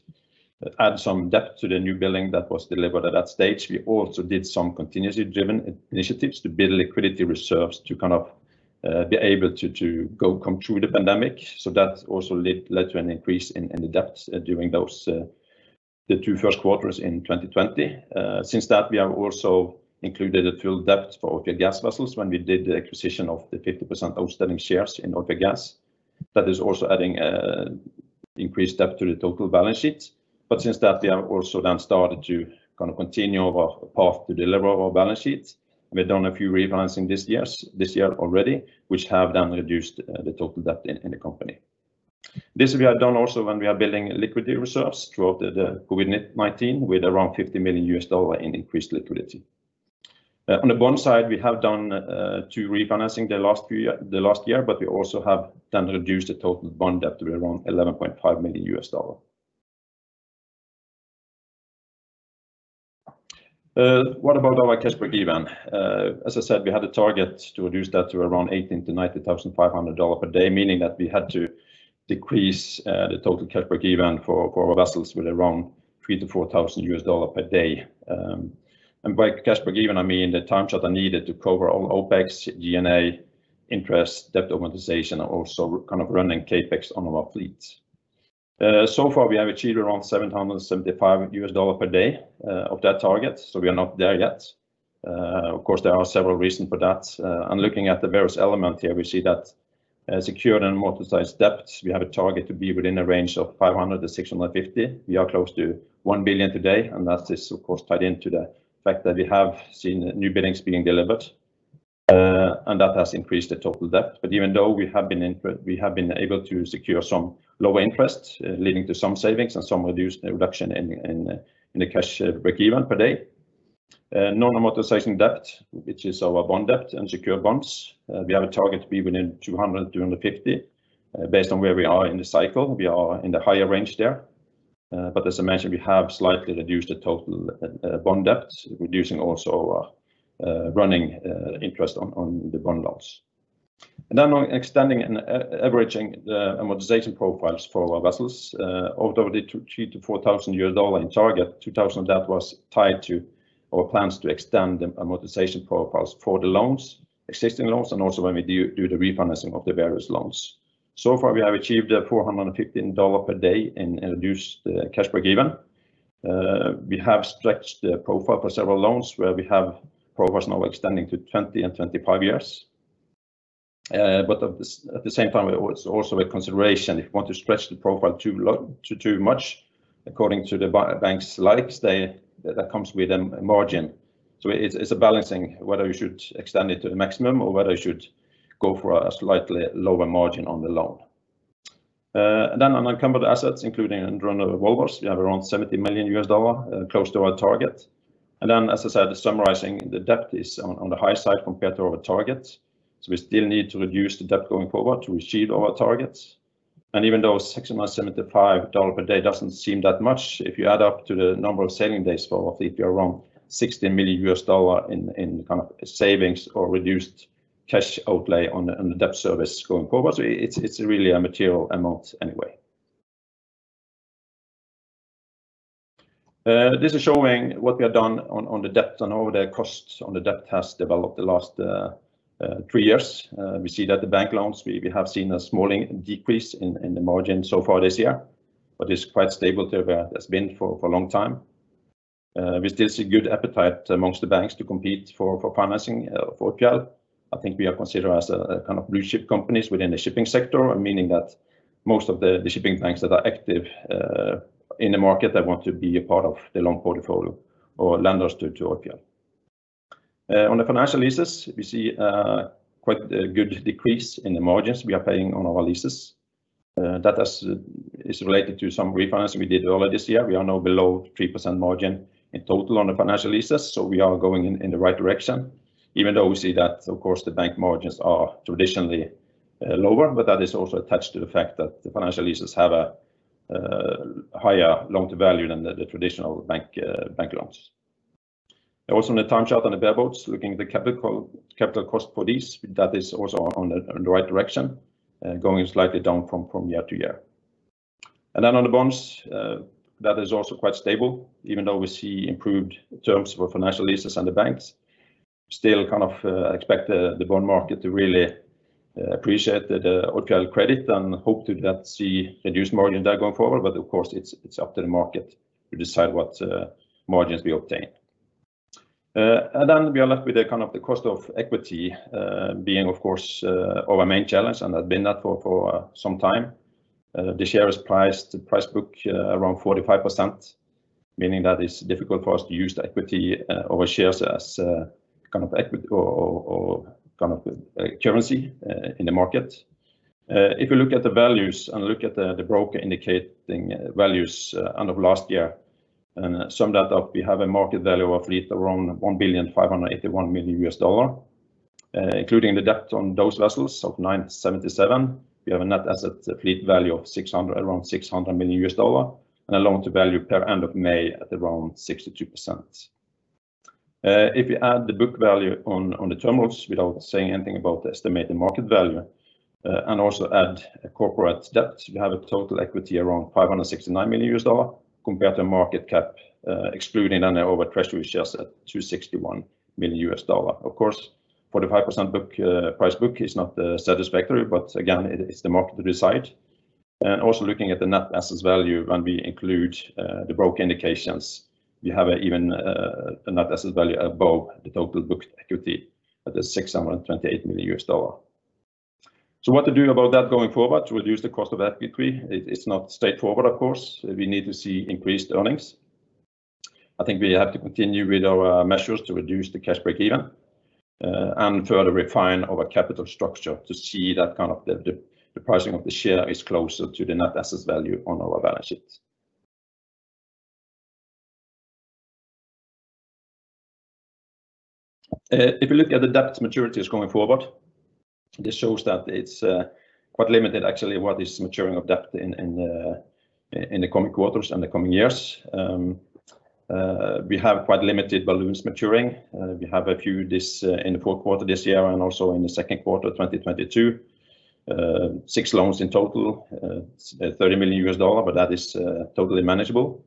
add some debt to the new building that was delivered at that stage. We also did some contingency driven initiatives to build liquidity reserves to be able to come through the pandemic. That also led to an increase in the debt during the two first quarters in 2020. Since that, we have also included the full debt for Odfjell Gas vessels when we did the acquisition of the 50% outstanding shares in Orca Gas. That is also adding increased debt to the total balance sheet. Since that, we have also then started to continue our path to deliver our balance sheet. We've done a few refinancings this year already, which have then reduced the total debt in the company. This we have done also when we are building liquidity reserves throughout the COVID-19 with around $50 million in increased liquidity. On the bond side, we have done two refinancing the last year, We also have then reduced the total bond debt to around $11.5 million. What about our cash break-even? As I said, we had a target to reduce that to around $18,000-$19,500 per day, meaning that we had to decrease the total cash break-even for our vessels with around $3,000-$4,000 per day. By cash break-even, I mean the time chart I needed to cover all OpEx, G&A, interest, debt amortization, and also running CapEx on our fleets. So far, we have achieved around $775 per day of that target, so we are not there yet. Of course, there are several reasons for that. Looking at the various elements here, we see that secured and amortized debts, we have a target to be within a range of $500-$650. We are close to $1 billion today, and that is of course tied into the fact that we have seen new buildings being delivered, and that has increased the total debt. Even though we have been able to secure some low interest leading to some savings and some reduction in the cash break-even per day. Non-amortization debt, which is our bond debt and secure bonds, we have a target to be within $200-$250. Based on where we are in the cycle, we are in the higher range there. As I mentioned, we have slightly reduced the total bond debt, reducing also our running interest on the bond loans. Extending and averaging the amortization profiles for our vessels. The $3,000-$4,000 target, $2,000 of that was tied to our plans to extend the amortization profiles for the existing loans, and also when we do the refinancing of the various loans. So far, we have achieved $415 per day in reduced cash break-even. We have stretched the profile for several loans where we have profiles now extending to 20 and 25 years. At the same time, it was also a consideration if you want to stretch the profile too much according to the bank's likes, that comes with a margin. It's a balancing whether you should extend it to the maximum or whether you should go for a slightly lower margin on the loan. On encumbered assets, including unencumbered vessels, we have around $70 million, close to our target. As I said, summarizing the debt is on the high side compared to our targets. We still need to reduce the debt going forward to achieve our targets. Even though $675 per day doesn't seem that much, if you add up to the number of sailing days for our fleet, we are around $60 million in savings or reduced cash outlay on the debt service going forward. It's really a material amount anyway. This is showing what we have done on the debt and how the costs on the debt has developed the last three years. We see that the bank loans, we have seen a small decrease in the margin so far this year, but it's quite stable to where it has been for a long time. With this good appetite amongst the banks to compete for financing for Odfjell, I think we are considered as a blue-chip companies within the shipping sector, meaning that most of the shipping banks that are active in the market want to be a part of the loan portfolio or lend us to Odfjell. On the financial leases, we see quite a good decrease in the margins we are paying on our leases. That is related to some refinance we did earlier this year. We are now below 3% margin in total on the financial leases, so we are going in the right direction. We see that, of course, the bank margins are traditionally lower, but that is also attached to the fact that the financial leases have a higher loan-to-value than the traditional bank loans. In the time chart on the bareboats, looking at the capital cost for these, that is also on the right direction and going slightly down from year-to-year. On the bonds, that is also quite stable. We see improved terms for financial leases and the banks, we still expect the bond market to really appreciate the Odfjell credit and hope to see reduced margin there going forward. Of course, it's up to the market to decide what margins we obtain. We are left with the cost of equity being, of course, our main challenge and have been that for some time. The share is price-to-book around 45%, meaning that it's difficult for us to use equity or shares as equity or currency in the market. If you look at the values and look at the broker indicating values end of last year and sum that up, we have a market value of fleet around $1.581 billion. Including the debt on those vessels of $977 million, we have a net asset fleet value of around $600 million and a loan-to-value per end of May at around 62%. If you add the book value on the terminals without saying anything about the estimated market value and also add corporate debt, you have a total equity around $569 million compared to market cap, excluding any over treasury is just at $261 million. Of course, 45% price-to-book is not satisfactory, again, it is the market to decide. Also looking at the net asset value when we include the broker indications, we have even a net asset value above the total book equity at $628 million. What to do about that going forward to reduce the cost of equity? It is not straightforward, of course. We need to see increased earnings. I think we have to continue with our measures to reduce the cash break-even and further refine our capital structure to see that the pricing of the share is closer to the net asset value on our balance sheet. If you look at the debt maturities going forward, this shows that it's quite limited actually what is maturing of debt in the coming quarters and the coming years. We have quite limited balloons maturing. We have a few in the 4th quarter this year and also in the 2nd quarter 2022. Six loans in total, $30 million, that is totally manageable.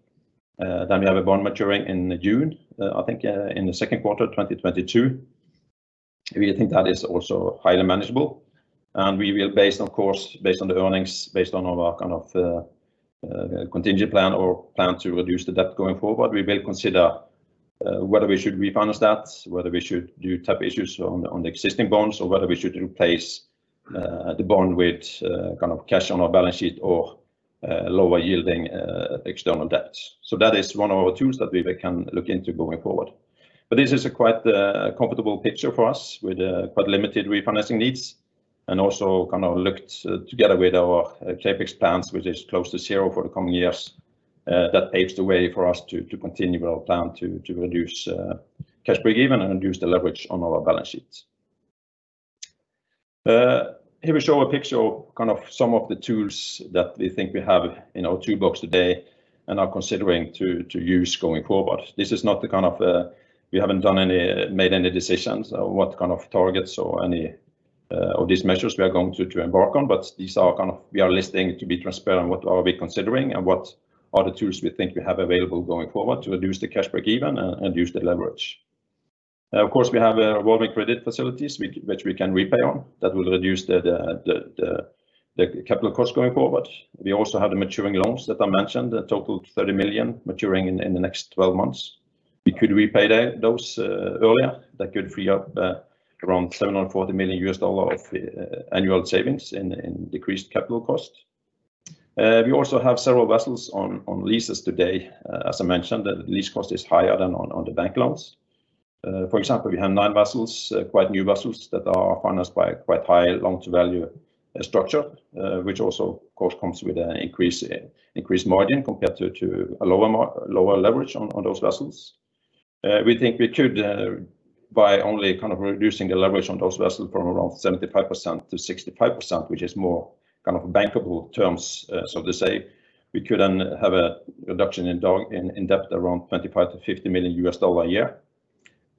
We have a bond maturing in June, I think in the second quarter 2022. We think that is also highly manageable. We will based on the earnings, based on our contingent plan or plan to reduce the debt going forward, we will consider whether we should refinance that, whether we should do tap issues on the existing bonds or whether we should replace the bond with cash on our balance sheet or lower yielding external debts. That is one of the tools that we can look into going forward. This is quite a comfortable picture for us with quite limited refinancing needs and also looked together with our CapEx plans, which is close to zero for the coming years. That paves the way for us to continue our plan to reduce cash break-even and reduce the leverage on our balance sheets. Here we show a picture of some of the tools that we think we have in our toolbox today and are considering to use going forward. We haven't made any decisions on what kind of targets or any of these measures we are going to embark on, but we are listing to be transparent what are we considering and what are the tools we think we have available going forward to reduce the cash break-even and reduce the leverage. Of course, we have revolving credit facilities which we can repay on that will reduce the capital cost going forward. We also have the maturing loans that I mentioned, a total of 30 million maturing in the next 12 months. We could repay those earlier. That could free up around $740 million of annual savings in decreased capital cost. We also have several vessels on leases today. As I mentioned, the lease cost is higher than on the bank loans. For example, we have nine vessels, quite new vessels that are financed by quite high loan-to-value structure which also, of course, comes with an increased margin compared to a lower leverage on those vessels. We think we could, by only reducing the leverage on those vessels from around 75%-65%, which is more bankable terms, so to say, we could then have a reduction in debt around $25 million-$50 million a year.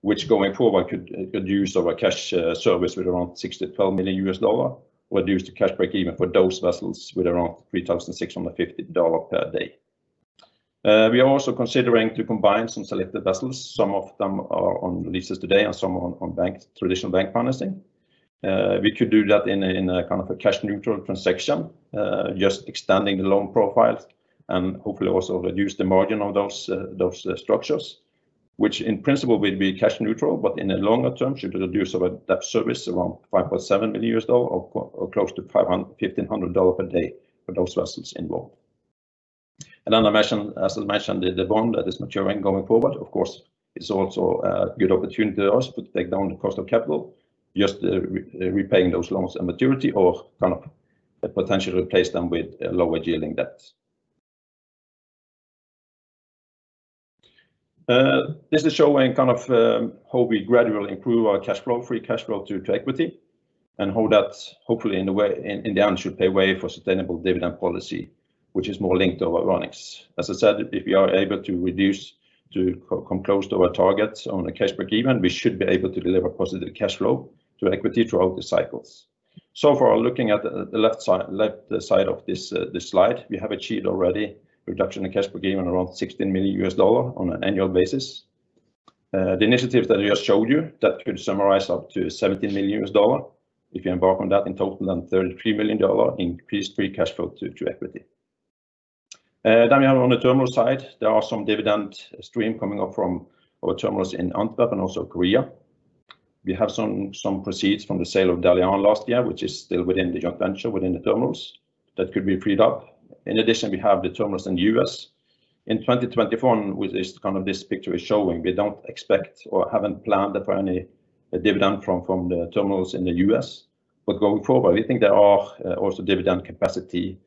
Which going forward could reduce our cash service with around $612 million. It would reduce the cash break-even for those vessels with around $3,650 per day. We are also considering to combine some selected vessels. Some of them are on leases today and some on traditional bank financing. We could do that in a cash neutral transaction just extending the loan profile and hopefully also reduce the margin of those structures which in principle will be cash neutral but in the longer term should reduce our debt service around $5.7 million or close to $1,500 a day for those vessels involved. As I mentioned, the bond that is maturing going forward, of course, is also a good opportunity for us to take down the cost of capital, just repaying those loans at maturity or potentially replace them with lower yielding debts. This is showing how we gradually improve our cash flow, free cash flow to equity and how that hopefully in the end should pay way for sustainable dividend policy, which is more linked to our earnings. As I said, if we are able to come close to our targets on a cash break-even, we should be able to deliver positive cash flow to equity throughout the cycles. So far, looking at the left side of this slide, we have achieved already reduction in cash break-even around NOK 16 million on an annual basis. The initiatives that I just showed you, that should summarize up to NOK 17 million. We can embark on that in total and NOK 33 million increase free cash flow to equity. On the terminal side, there are some dividend stream coming up from our terminals in Antwerp and also Korea. We have some proceeds from the sale of Dalian last year, which is still within the joint venture within the terminals that could be freed up. In addition, we have the terminals in the U.S. In 2024, which this picture is showing, we don't expect or haven't planned for any dividend from the terminals in the U.S. Going forward, we think there are also dividend capacity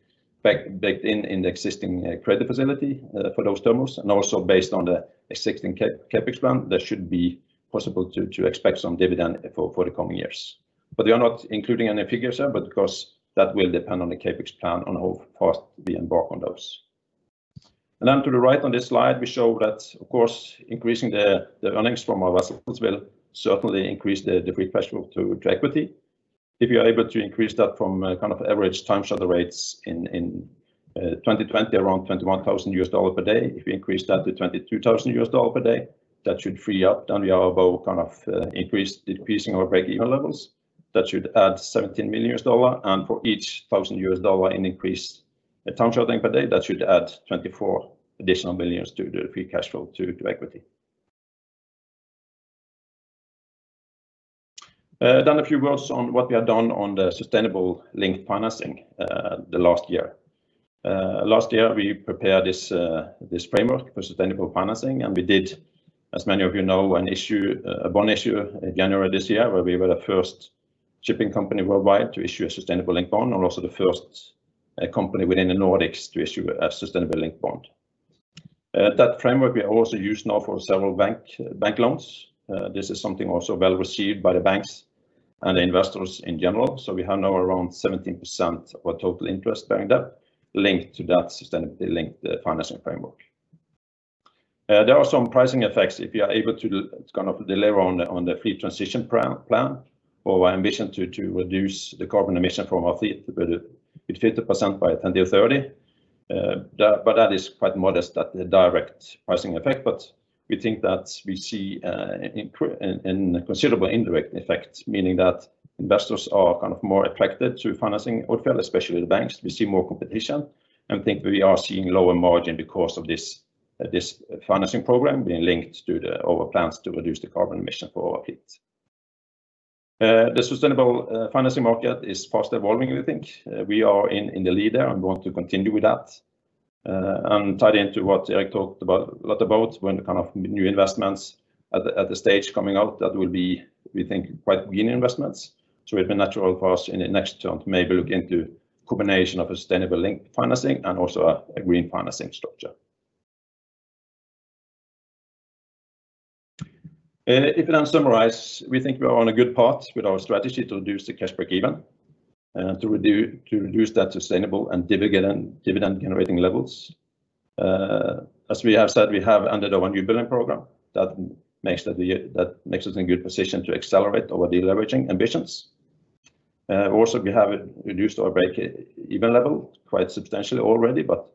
baked in the existing credit facility for those terminals. Also based on the existing CapEx plan, that should be possible to expect some dividend for the coming years. We are not including any figures there because that will depend on the CapEx plan on how fast we embark on those. Then to the right on this slide, we show that, of course, increasing the earnings from our vessels will certainly increase the free cash flow to equity. If we are able to increase that from average time charter rates in 2020, around $21,000 a day, if we increase that to $22,000 a day, that should free up then we are above decreasing our break-even levels. That should add $17 million. For each $1,000 in increased time charter per day, that should add $24 million to the free cash flow to equity. A few words on what we have done on the sustainable linked financing the last year. Last year, we prepared this framework for sustainable financing. We did, as many of you know, a bond issue in January this year where we were the first shipping company worldwide to issue a sustainable bond and also the first company within the Nordics to issue a sustainable linked bond. That framework we also use now for several bank loans. This is something also well received by the banks and investors in general. We have now around 17% of our total interest-bearing debt linked to that sustainability-linked financing framework. There are some pricing effects if you are able to deliver on the fleet transition plan or ambition to reduce the carbon emission from our fleet with 50% by 2030. That is quite modest at the direct pricing effect. We think that we see a considerable indirect effect, meaning that investors are more attracted to financing Odfjell, especially the banks. We see more competition and think we are seeing lower margin because of this financing program being linked to our plans to reduce the carbon emission for our fleet. The sustainable financing market is fast evolving, we think. We are in the lead there and want to continue with that. Tied into what I talked a lot about when new investments at the stage coming out that will be, we think, quite green investments. It's a natural course in the next term to maybe look into combination of sustainable linked financing and also a green financing structure. If I summarize, we think we are on a good path with our strategy to reduce the cash break-even and to reduce that sustainable and dividend generating levels. As we have said, we have ended our newbuilding program. That makes us in good position to accelerate our deleveraging ambitions. We have reduced our break-even level quite substantially already, but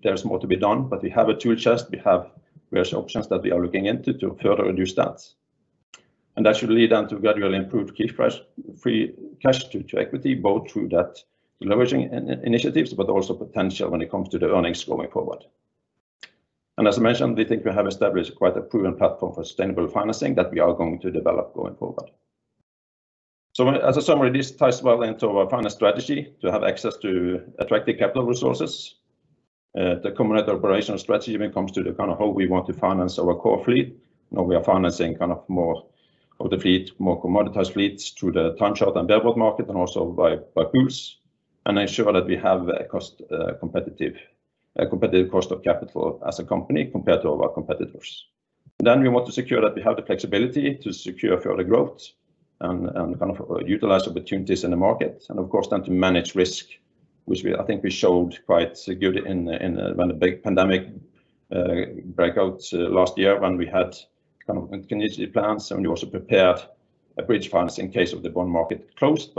there's more to be done. We have a tool chest. We have various options that we are looking into to further reduce that. That should lead then to gradually improve free cash to equity, both through that deleveraging initiatives but also potential when it comes to the earnings going forward. As mentioned, we think we have established quite a proven platform for sustainable financing that we are going to develop going forward. As a summary, this ties well into our finance strategy to have access to attractive capital resources. The combined operation strategy when it comes to how we want to finance our core fleet. We are financing more of the fleet, more commoditized fleets through the time charter and double market and also by pools, and ensure that we have a competitive cost of capital as a company compared to our competitors. We want to secure that we have the flexibility to secure further growth and utilize opportunities in the market and of course to manage risk, which I think we showed quite good when the big pandemic breakout last year when we had contingency plans and we also prepared a bridge finance in case the bond market closed.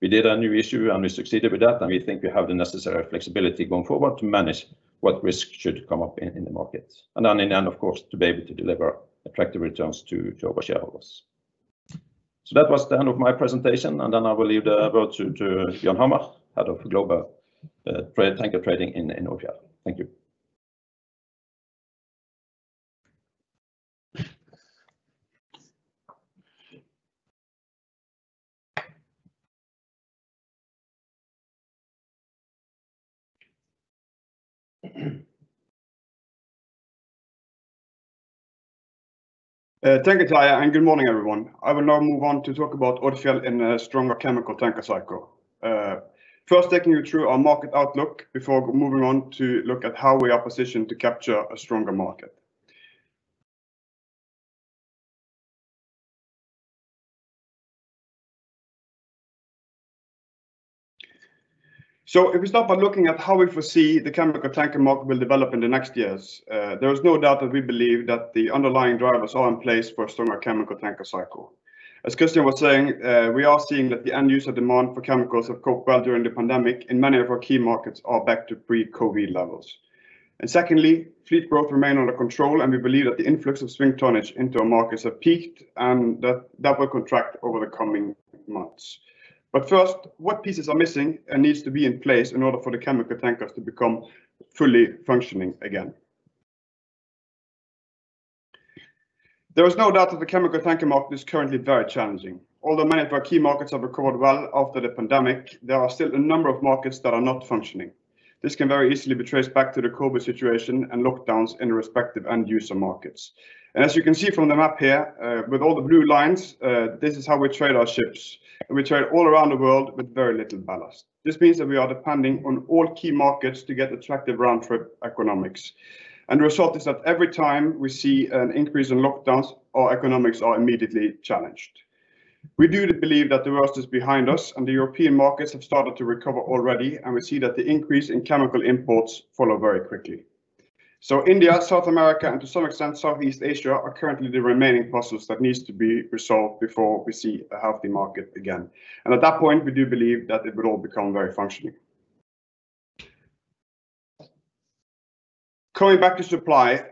We did a new issue and we succeeded with that, and we think we have the necessary flexibility going forward to manage what risk should come up in the market. In the end of course to be able to deliver attractive returns to our shareholders. That was the end of my presentation and then I will leave the floor to Bjørn Hammer, Global Head of Tanker Trading in Odfjell. Thank you. Thank you, Terje, good morning, everyone. I will now move on to talk about Odfjell and the stronger chemical tanker cycle. First, taking you through our market outlook before moving on to look at how we are positioned to capture a stronger market. If we start by looking at how we foresee the chemical tanker market will develop in the next years, there is no doubt that we believe that the underlying drivers are in place for a stronger chemical tanker cycle. As Kristian was saying, we are seeing that the end user demand for chemicals have coped well during the pandemic, and many of our key markets are back to pre-COVID levels. Secondly, fleet growth remains under control, and we believe that the influx of swing tonnage into our markets have peaked, and that will contract over the coming months. First, what pieces are missing and needs to be in place in order for the chemical tankers to become fully functioning again? There is no doubt that the chemical tanker market is currently very challenging. Although many of our key markets have recovered well after the pandemic, there are still a number of markets that are not functioning. This can very easily be traced back to the COVID situation and lockdowns in respective end user markets. As you can see from the map here, with all the blue lines, this is how we trade our ships. We trade all around the world with very little ballast. This means that we are depending on all key markets to get attractive round-trip economics. The result is that every time we see an increase in lockdowns, our economics are immediately challenged. We do believe that the worst is behind us, and the European markets have started to recover already, and we see that the increase in chemical imports follow very quickly. India, South America, and to some extent, Southeast Asia, are currently the remaining puzzles that needs to be resolved before we see a healthy market again. At that point, we do believe that it will all become very functioning. Going back to supply,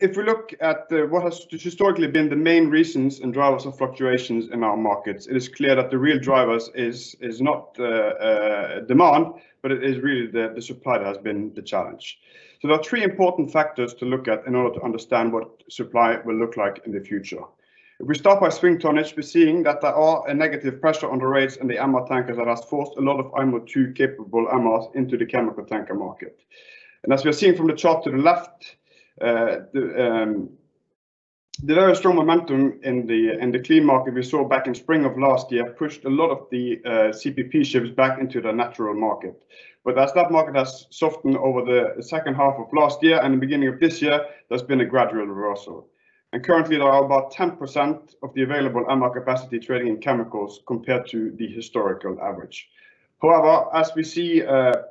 if we look at what has historically been the main reasons and drivers of fluctuations in our markets, it is clear that the real drivers is not the demand, but it is really the supply that has been the challenge. There are three important factors to look at in order to understand what supply will look like in the future. If we start by swing tonnage, we are seeing that there are a negative pressure on the rates in the MR tanker that has forced a lot of IMO Type 2 capable MRs into the chemical tanker market. As we are seeing from the chart to the left, the very strong momentum in the clean market we saw back in spring of last year pushed a lot of the CPP ships back into their natural market. As that market has softened over the second half of last year and the beginning of this year, there has been a gradual reversal. Currently, there are about 10% of the available MR capacity trading in chemicals compared to the historical average. However, as we see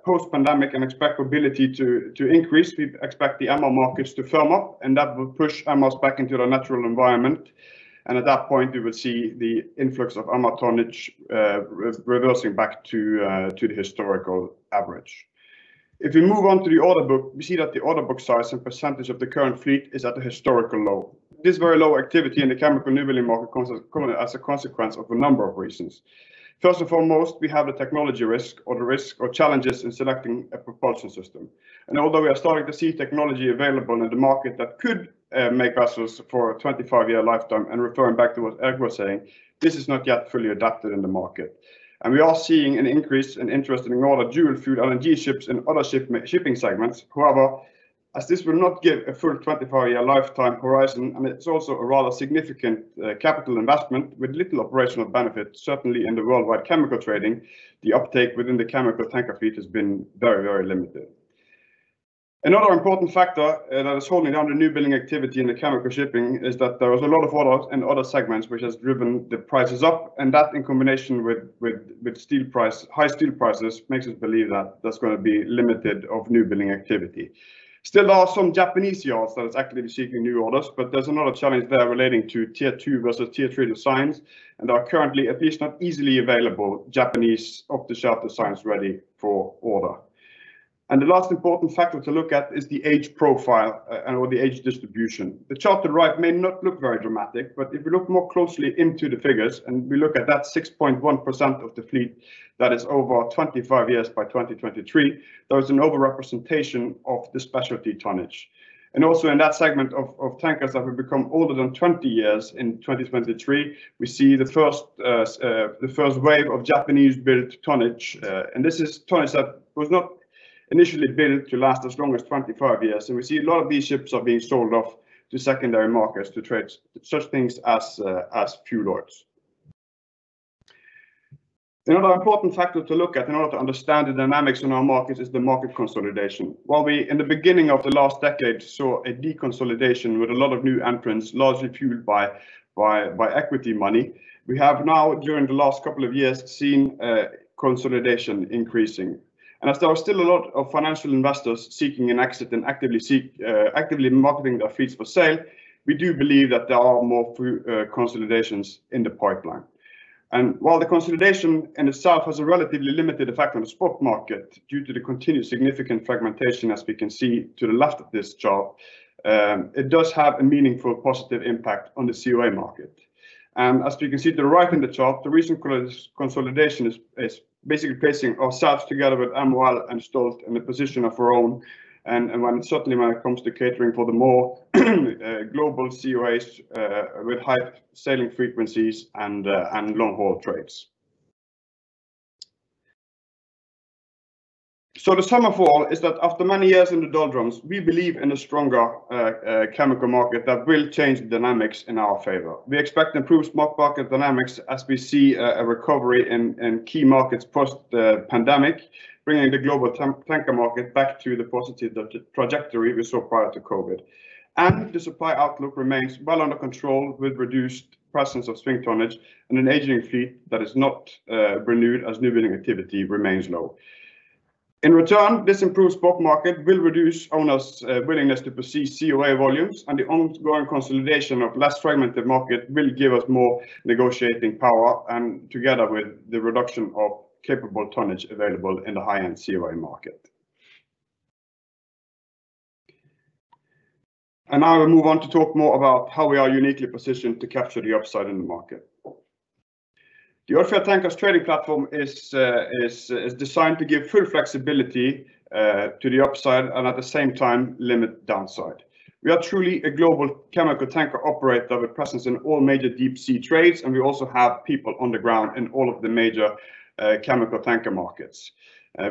post-pandemic and expect ability to increase, we expect the MR markets to firm up, and that will push MRs back into their natural environment. At that point, we will see the influx of MR tonnage reversing back to the historical average. If we move on to the order book, we see that the order book size and percentage of the current fleet is at a historical low. This very low activity in the chemical newbuilding market has come in as a consequence of a number of reasons. First and foremost, we have a technology risk or the risk or challenges in selecting a propulsion system. Although we are starting to see technology available in the market that could make vessels for a 25-year lifetime, and referring back to what Erik was saying, this is not yet fully adapted in the market. We are seeing an increase in interest in all the dual fuel LNG ships and other shipping segments. However, as this will not give a full 25-year lifetime horizon, and it's also a rather significant capital investment with little operational benefit, certainly in the worldwide chemical trading, the uptake within the chemical tanker fleet has been very limited. Another important factor that is holding down the newbuilding activity in the chemical shipping is that there is a lot of orders in other segments which has driven the prices up. That in combination with high steel prices, makes us believe that there's going to be limited of newbuilding activity. Still are some Japanese yards that are actively seeking new orders, but there's another challenge there relating to tier 2 versus tier 3 designs, and are currently at least not easily available Japanese off-the-shelf designs ready for order. The last important factor to look at is the age profile or the age distribution. The chart on the right may not look very dramatic, but if you look more closely into the figures and we look at that 6.1% of the fleet that is over 25 years by 2023, there is an overrepresentation of the specialty tonnage. Also in that segment of tankers that will become older than 20 years in 2023, we see the first wave of Japanese-built tonnage. This is tonnage that was not initially built to last as long as 25 years. We see a lot of these ships are being sold off to secondary markets to trade such things as fuel oils. Another important factor to look at in order to understand the dynamics in our market is the market consolidation. While we, in the beginning of the last decade, saw a deconsolidation with a lot of new entrants, largely fueled by equity money, we have now during the last couple of years seen consolidation increasing. As there are still a lot of financial investors seeking an exit and actively marketing their fleets for sale, we do believe that there are more consolidations in the pipeline. While the consolidation in itself has a relatively limited effect on the spot market, due to the continued significant fragmentation as we can see to the left of this chart, it does have a meaningful positive impact on the COA market. As we can see to the right on the chart, the recent consolidation is basically placing ourselves together with MOL and Stolt in a position of our own, and certainly when it comes to catering for the more global COAs with high sailing frequencies and long-haul trades. The sum of all is that after many years in the doldrums, we believe in a stronger chemical market that will change the dynamics in our favor. We expect improved spot market dynamics as we see a recovery in key markets post the pandemic, bringing the global tanker market back to the positive trajectory we saw prior to COVID. The supply outlook remains well under control with reduced presence of swing tonnage and an aging fleet that is not renewed as newbuilding activity remains low. In return, this improved spot market will reduce owners' willingness to pursue COA volumes. The ongoing consolidation of less fragmented market will give us more negotiating power and together with the reduction of capable tonnage available in the high-end COA market. Now we move on to talk more about how we are uniquely positioned to capture the upside in the market. The Odfjell Tankers trading platform is designed to give full flexibility to the upside and at the same time limit downside. We are truly a global chemical tanker operator with presence in all major deep sea trades, and we also have people on the ground in all of the major chemical tanker markets.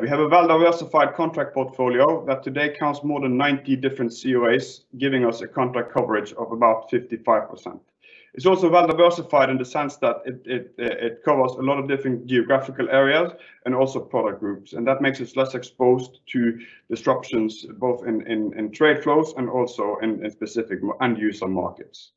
We have a well-diversified contract portfolio that today counts more than 90 different COAs, giving us a contract coverage of about 55%. It is also well-diversified in the sense that it covers a lot of different geographical areas and also product groups, and that makes us less exposed to disruptions both in trade flows and also in specific end user markets.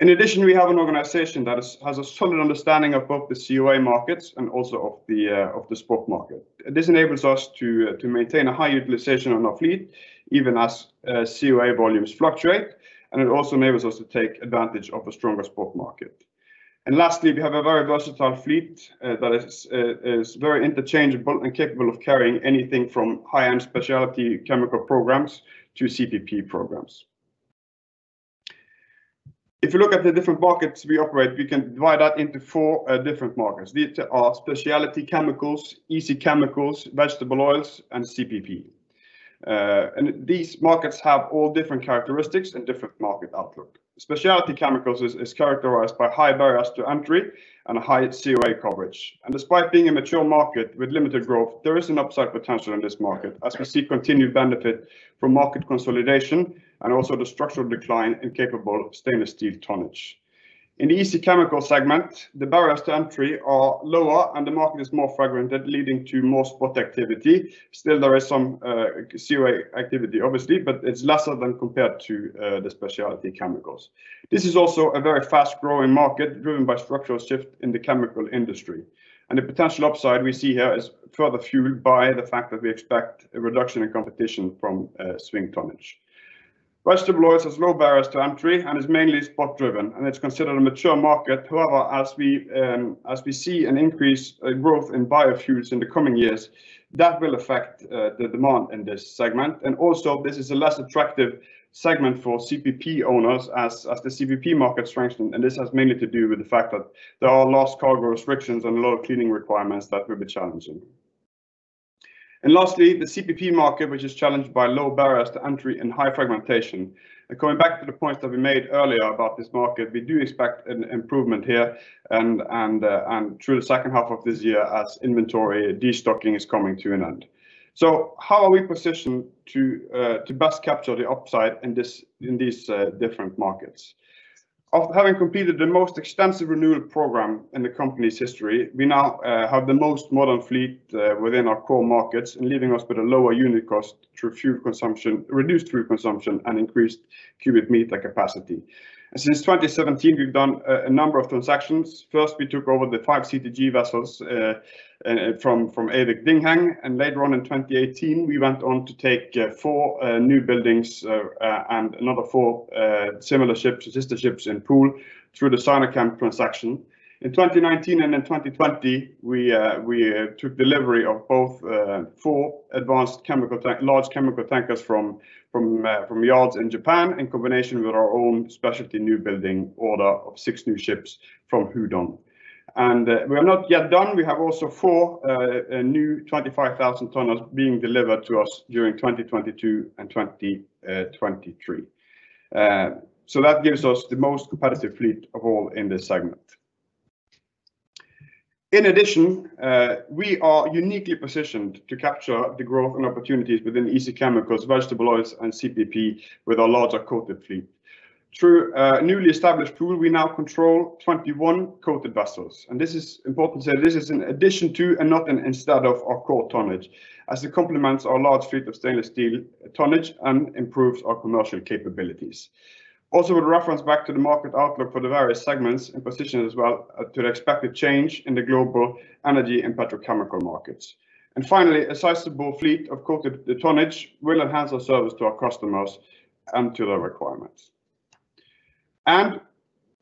In addition, we have an organization that has a solid understanding of both the COA markets and also of the spot market. This enables us to maintain a high utilization of our fleet, even as COA volumes fluctuate, and it also enables us to take advantage of a stronger spot market. Lastly, we have a very versatile fleet that is very interchangeable and capable of carrying anything from high-end specialty chemical programs to CPP programs. If you look at the different markets we operate, we can divide that into four different markets. These are specialty chemicals, easy chemicals, vegetable oils, and CPP. These markets have all different characteristics and different market outlook. Specialty chemicals is characterized by high barriers to entry and a high COA coverage. Despite being a mature market with limited growth, there is an upside potential in this market as we see continued benefit from market consolidation and also the structural decline in capable stainless steel tonnage. In the easy chemical segment, the barriers to entry are lower, and the market is more fragmented, leading to more spot activity. Still, there is some COA activity, obviously, but it's lesser than compared to the specialty chemicals. This is also a very fast-growing market driven by structural shift in the chemical industry. The potential upside we see here is further fueled by the fact that we expect a reduction in competition from swing tonnage. Vegetable oils has low barriers to entry and is mainly spot driven, it's considered a mature market. However, as we see a growth in biofuels in the coming years, that will affect the demand in this segment. Also this is a less attractive segment for CPP owners as the CPP market strengthen, this has mainly to do with the fact that there are last cargo restrictions and a lot of cleaning requirements that will be challenging. Lastly, the CPP market, which is challenged by low barriers to entry and high fragmentation. Going back to the point that we made earlier about this market, we do expect an improvement here and through the second half of this year as inventory destocking is coming to an end. How are we positioned to best capture the upside in these different markets? Of having completed the most extensive renewal program in the company's history, we now have the most modern fleet within our core markets and leaving us with a lower unit cost through reduced fuel consumption and increased cubic meter capacity. Since 2017, we've done a number of transactions. First, we took over the 5 CTG vessels from AVIC Dingheng, and later on in 2018, we went on to take four new buildings and another four sister ships in pool through the Sinochem transaction. In 2019 and in 2020, we took delivery of both four large chemical tankers from yards in Japan, in combination with our own specialty new building order of six new ships from Hudong. We're not yet done. We have also four new 25,000 tonners being delivered to us during 2022 and 2023. That gives us the most competitive fleet of all in this segment. We are uniquely positioned to capture the growth and opportunities within easy chemicals, vegetable oils, and CPP with our larger coated fleet. Through a newly established pool, we now control 21 coated vessels. This is important to say this is in addition to, and not instead of, our core tonnage, as it complements our large fleet of stainless steel tonnage and improves our commercial capabilities. With reference back to the market outlook for the various segments and position as well to the expected change in the global energy and petrochemical markets. Finally, a sizable fleet of coated tonnage will enhance our service to our customers and to their requirements.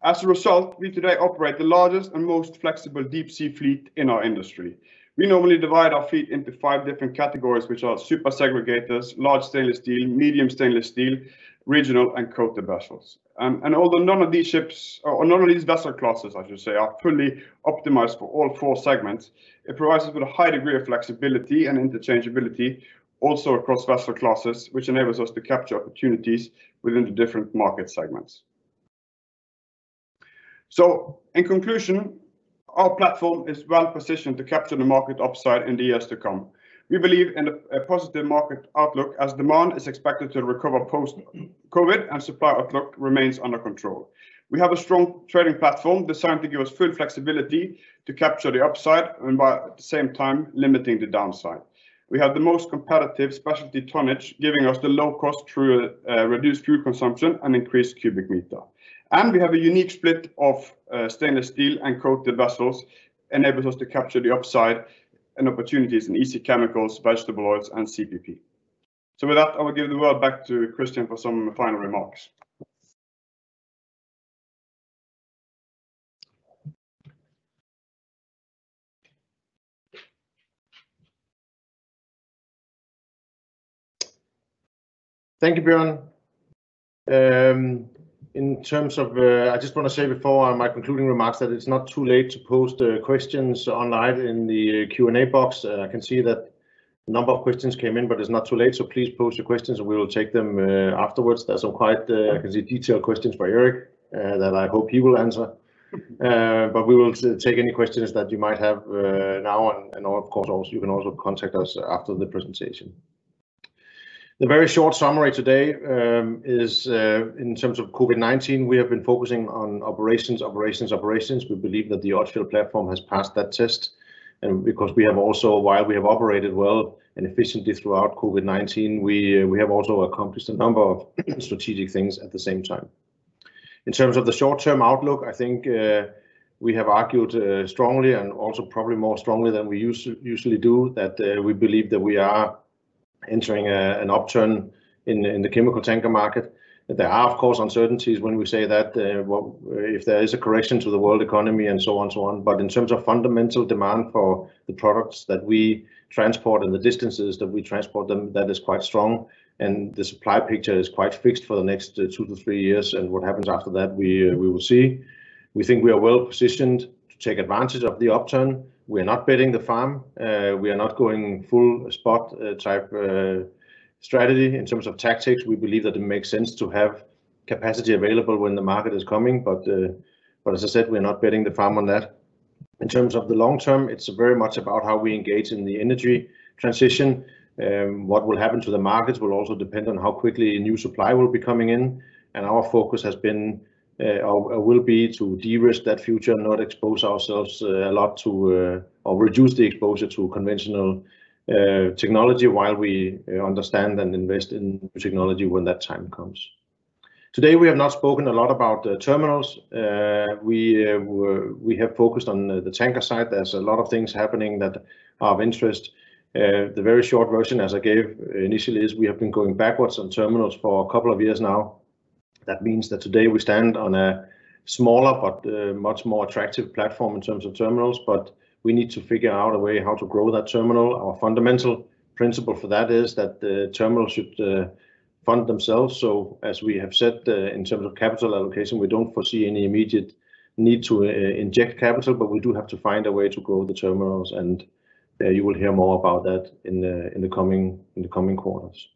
As a result, we today operate the largest and most flexible deep sea fleet in our industry. We normally divide our fleet into five different categories, which are super segregators, large stainless steel, medium stainless steel, regional, and coated vessels. Although none of these ships, or none of these vessel classes, I should say, are fully optimized for all four segments, it provides us with a high degree of flexibility and interchangeability also across vessel classes, which enables us to capture opportunities within the different market segments. In conclusion, our platform is well positioned to capture the market upside in the years to come. We believe in a positive market outlook as demand is expected to recover post-COVID and supply outlook remains under control. We have a strong trading platform designed to give us full flexibility to capture the upside and at the same time limiting the downside. We have the most competitive specialty tonnage, giving us the low cost through reduced fuel consumption and increased cubic meter. We have a unique split of stainless steel and coated vessels, enables us to capture the upside and opportunities in easy chemicals, vegetable oils, and CPP. With that, I will give the word back to Kristian for some final remarks. Thank you, Bjørn. I just want to say before my concluding remarks that it's not too late to post questions online in the Q&A box. I can see that a number of questions came in, but it's not too late, so please post your questions. We will take them afterwards. There's some quite, I can see detailed questions by Erik that I hope he will answer. We will take any questions that you might have now and of course you can also contact us after the presentation. The very short summary today is in terms of COVID-19, we have been focusing on operations. We believe that the Odfjell platform has passed that test, because while we have operated well and efficiently throughout COVID-19, we have also accomplished a number of strategic things at the same time. In terms of the short term outlook, I think we have argued strongly and also probably more strongly than we usually do, that we believe that we are entering an upturn in the chemical tanker market. There are, of course, uncertainties when we say that if there is a correction to the world economy and so on. In terms of fundamental demand for the products that we transport and the distances that we transport them, that is quite strong and the supply picture is quite fixed for the next two to three years. What happens after that, we will see. We think we are well positioned to take advantage of the upturn. We are not betting the farm. We are not going full spot type strategy in terms of tactics. We believe that it makes sense to have capacity available when the market is coming. As I said, we are not betting the farm on that. In terms of the long term, it's very much about how we engage in the energy transition. What will happen to the markets will also depend on how quickly new supply will be coming in, and our focus will be to de-risk that future, not expose ourselves a lot to or reduce the exposure to conventional technology while we understand and invest in new technology when that time comes. Today, we have not spoken a lot about the terminals. We have focused on the tanker side. There's a lot of things happening that are of interest. The very short version, as I gave initially, is we have been going backwards on terminals for a couple of years now. That means that today we stand on a smaller but much more attractive platform in terms of terminals, but we need to figure out a way how to grow that terminal. Our fundamental principle for that is that the terminals should fund themselves. As we have said, in terms of capital allocation, we don't foresee any immediate need to inject capital, but we do have to find a way to grow the terminals, and you will hear more about that in the coming quarters.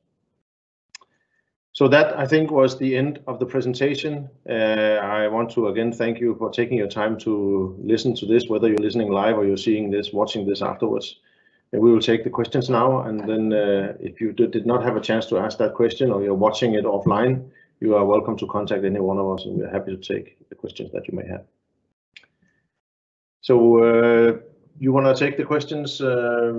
That, I think, was the end of the presentation. I want to again thank you for taking your time to listen to this, whether you're listening live or you're seeing this, watching this afterwards. We will take the questions now and then if you did not have a chance to ask that question or you're watching it offline, you are welcome to contact any one of us, and we're happy to take the questions that you may have. You want to take the questions?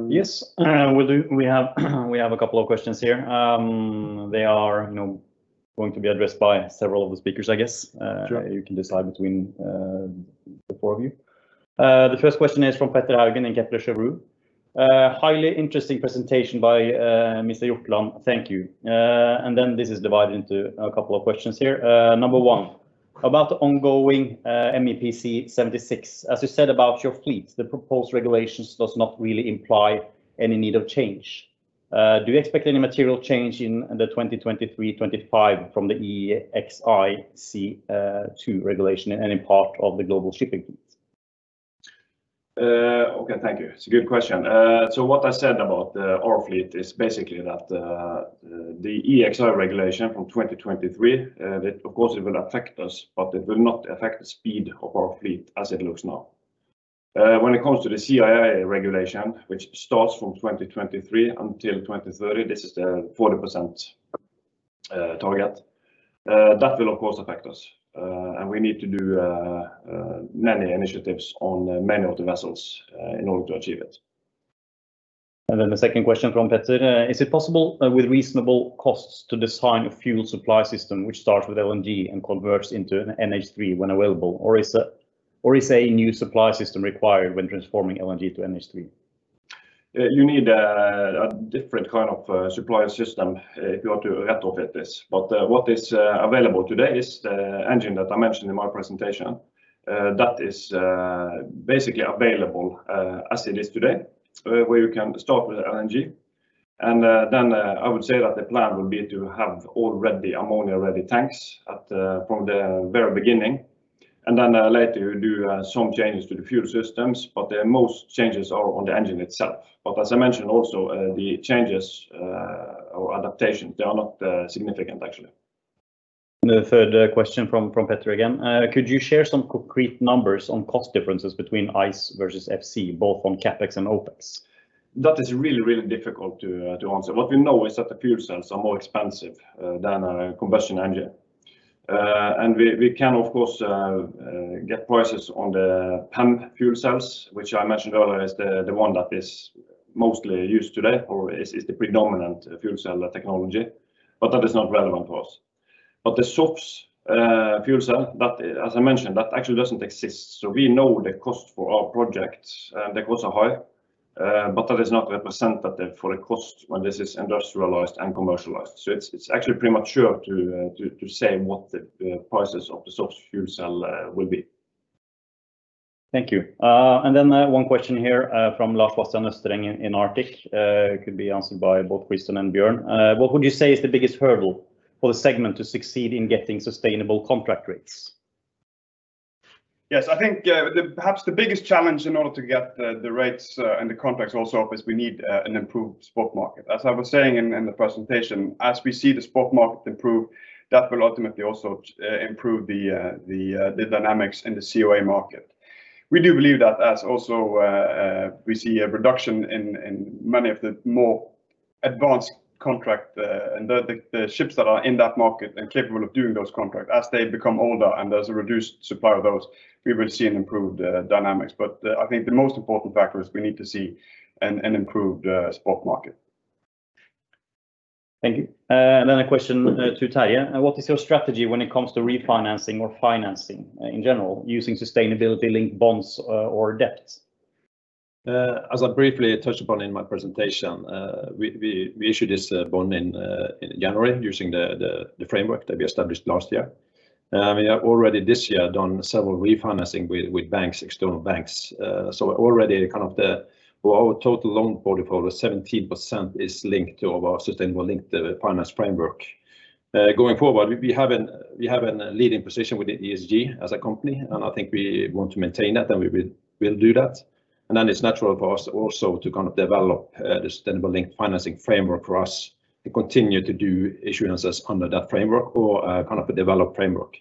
Yes, we do. We have a couple of questions here. They are going to be addressed by several of the speakers, I guess. You can decide between the four of you. The first question is from Petter Haugen in Kepler Cheuvreux. "Highly interesting presentation by Erik Hjortland. Thank you." This is divided into a couple of questions here. Number one, "About the ongoing MEPC 76. As you said about your fleet, the proposed regulations does not really imply any need of change. Do you expect any material change in the 2023/25 from the EEXI regulation in any part of the global shipping fleet?" Okay, thank you. It's a good question. What I said about our fleet is basically that the EEXI regulation from 2023, of course it will affect us, but it will not affect the speed of our fleet as it looks now. When it comes to the CII regulation, which starts from 2023 until 2030, this is the 40% target. That will of course affect us. We need to do many initiatives on many of the vessels in order to achieve it. Then the second question from Petter, "Is it possible with reasonable costs to design a fuel supply system which starts with LNG and converts into an NH3 when available? Or is a new supply system required when transforming LNG to NH3?" You need a different kind of supply system if you want to retrofit this. What is available today is the engine that I mentioned in my presentation that is basically available as it is today, where you can start with LNG. I would say that the plan would be to have already ammonia tanks from the very beginning, and then later you do some changes to the fuel systems. Most changes are on the engine itself. As I mentioned also, the changes or adaptations are not significant actually. The third question from Petter Haugen again, could you share some concrete numbers on cost differences between ICE versus FC, both on CapEx and OpEx? That is really difficult to answer. What we know is that the fuel cells are more expensive than a combustion engine. We can, of course, get prices on the PEM fuel cells, which I mentioned earlier is the one that is mostly used today, or is the predominant fuel cell technology, but that is not relevant to us. The SOFC fuel cell, as I mentioned, that actually doesn't exist. We know the cost for our projects, and the costs are high, but that is not representative for the cost when this is industrialized and commercialized. It's actually premature to say what the prices of the SOFC fuel cell will be. Thank you. One question here from Lars Bastian in Arctic. It could be answered by both Kristian and Bjørn. What would you say is the biggest hurdle for the segment to succeed in getting sustainable contract rates? Yes, I think perhaps the biggest challenge to get the rates and the contracts also up is we need an improved spot market. As I was saying in the presentation, as we see the spot market improve, that will ultimately also improve the dynamics in the COA market. We do believe that as also we see a reduction in many of the more advanced contract, the ships that are in that market and capable of doing those contract as they become older and there's a reduced supply of those, we will see an improved dynamics. I think the most important factor is we need to see an improved spot market. Thank you. Another question to Terje. What is your strategy when it comes to refinancing or financing in general using sustainability-linked bonds or debts? As I briefly touched upon in my presentation, we issued this bond in January using the framework that we established last year. We have already this year done several refinancing with external banks. Already our total loan portfolio, 17% is linked to our sustainable linked finance framework. Going forward, we have a leading position with ESG as a company, and I think we want to maintain that, and we will do that. Then it's natural for us also to develop a sustainable linked financing framework for us to continue to do issuances under that framework or a developed framework.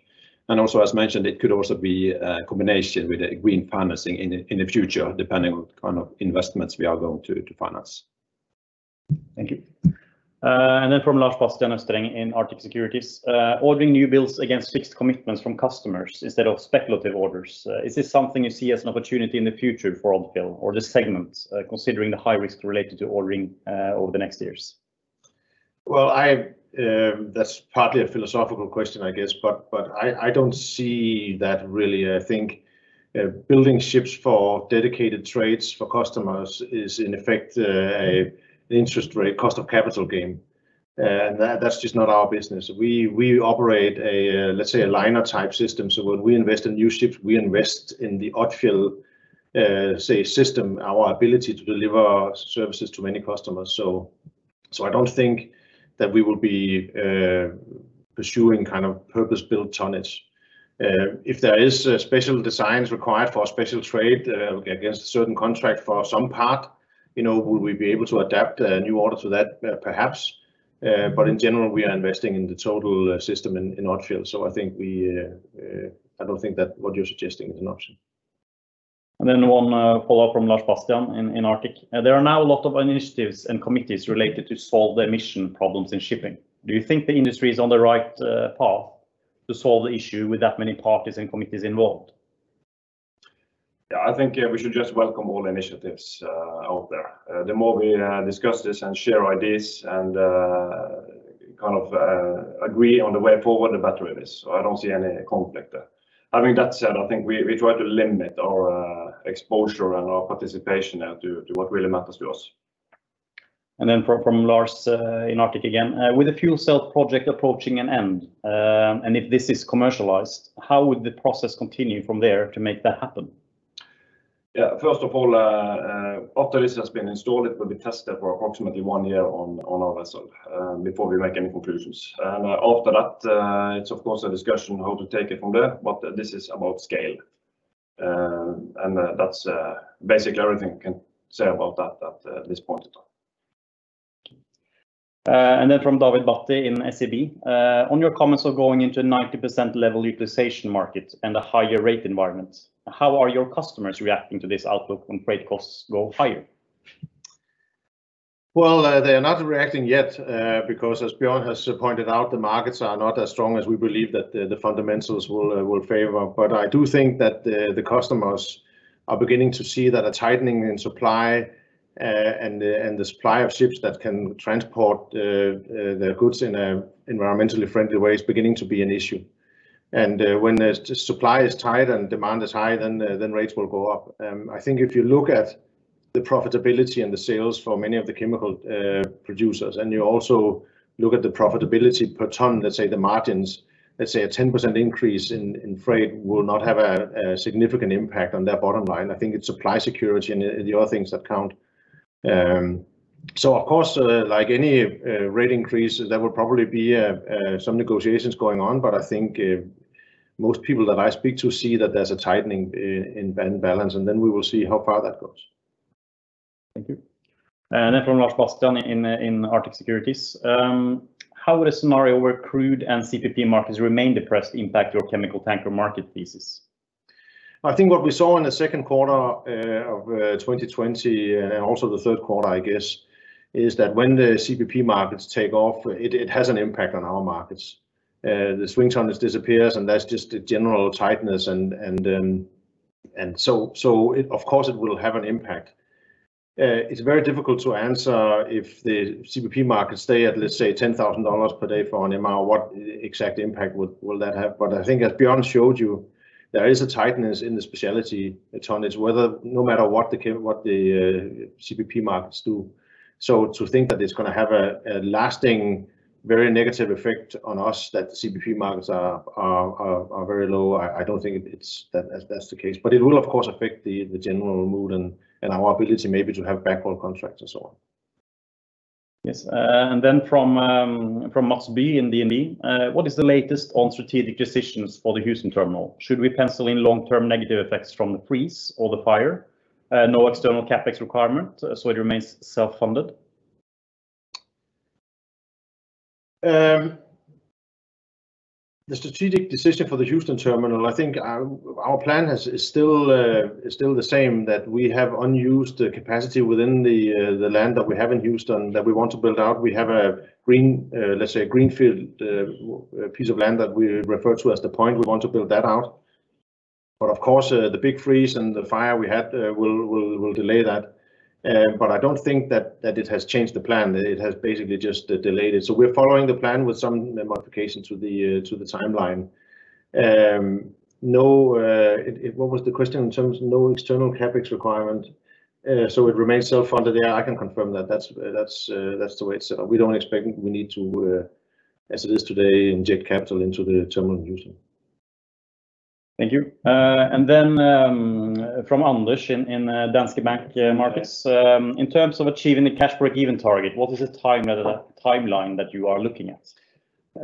Also, as mentioned, it could also be a combination with green financing in the future, depending on what kind of investments we are going to finance. Thank you. From Lars Bastian in Arctic Securities. Ordering new builds against fixed commitments from customers instead of speculative orders, is this something you see as an opportunity in the future for Odfjell or the segment, considering the high risk related to ordering over the next years? Well, that's partly a philosophical question, I guess. I don't see that really. I think building ships for dedicated trades for customers is, in effect, an interest rate cost of capital game. That's just not our business. We operate a, let's say, a liner type system. When we invest in new ships, we invest in the Odfjell, say, system, our ability to deliver services to many customers. I don't think that we will be pursuing purpose-built tonnage. If there is special designs required for a special trade against a certain contract for some part, we'll be able to adapt a new order to that, perhaps. In general, we are investing in the total system in Odfjell, so I don't think that what you're suggesting is an option. One follow-up from Lars Bastian in Arctic. There are now a lot of initiatives and committees related to solve the emission problems in shipping. Do you think the industry is on the right path to solve the issue with that many parties and committees involved? I think we should just welcome all initiatives out there. The more we discuss this and share ideas and agree on the way forward, the better it is. I don't see any conflict there. Having that said, I think we try to limit our exposure and our participation to what really matters to us. From Lars in Arctic again. With the fuel cell project approaching an end, and if this is commercialized, how would the process continue from there to make that happen? First of all, after this has been installed, it will be tested for approximately one year on our vessel before we make any conclusions. After that, it's of course a discussion how to take it from there. This is about scale, and that's basically everything I can say about that at this point in time. From David Batty in SEB. On your comments on going into 90% utilization markets and a higher rate environment, how are your customers reacting to this outlook when freight costs go higher? Well, they are not reacting yet because, as Bjørn has pointed out, the markets are not as strong as we believe that the fundamentals will favor. I do think that the customers are beginning to see that a tightening in supply and the supply of ships that can transport their goods in an environmentally friendly way is beginning to be an issue. When the supply is tight and demand is high, rates will go up. I think if you look at the profitability and the sales for many of the chemical producers, you also look at the profitability per ton, let's say the margins, let's say a 10% increase in freight will not have a significant impact on their bottom line. I think it's supply security and the other things that count. Of course, like any rate increases, there will probably be some negotiations going on, but I think most people that I speak to see that there's a tightening in balance, and then we will see how far that goes. Thank you. From Lars Bastian in Arctic Securities. How is scenario where crude and CPP markets remain depressed impact your chemical tanker market thesis? I think what we saw in the 2nd quarter of 2020, and also the 3rd quarter, I guess, is that when the CPP markets take off, it has an impact on our markets. The swing tonners disappears. That's just the general tightness. Of course it will have an impact. It's very difficult to answer if the CPP markets stay at, let's say, NOK 10,000 per day for an amount, what exact impact will that have? I think as Bjørn showed you, there is a tightness in the specialty tonners no matter what the CPP markets do. To think that it's going to have a lasting very negative effect on us that CPP markets are very low, I don't think that's the case. It will of course affect the general mood and our ability maybe to have backward contracts and so on. Yes. From Lars B in DNB. What is the latest on strategic decisions for the Houston terminal? Should we pencil in long-term negative effects from the freeze or the fire? No external CapEx requirement, it remains self-funded. The strategic decision for the Houston terminal, I think our plan is still the same, that we have unused capacity within the land that we haven't used and that we want to build out. We have a greenfield piece of land that we refer to as the point we want to build that out. Of course, the big freeze and the fire we had will delay that. I don't think that it has changed the plan, that it has basically just delayed it. We're following the plan with some modifications to the timeline. What was the question in terms of no external CapEx requirement, so it remains self-funded? I can confirm that that's the way it's set up. We don't expect we need to, as it is today, inject capital into the terminal in Houston. Thank you. From Anders in Danske Bank Markets. In terms of achieving the cash break-even target, what is the timeline that you are looking at?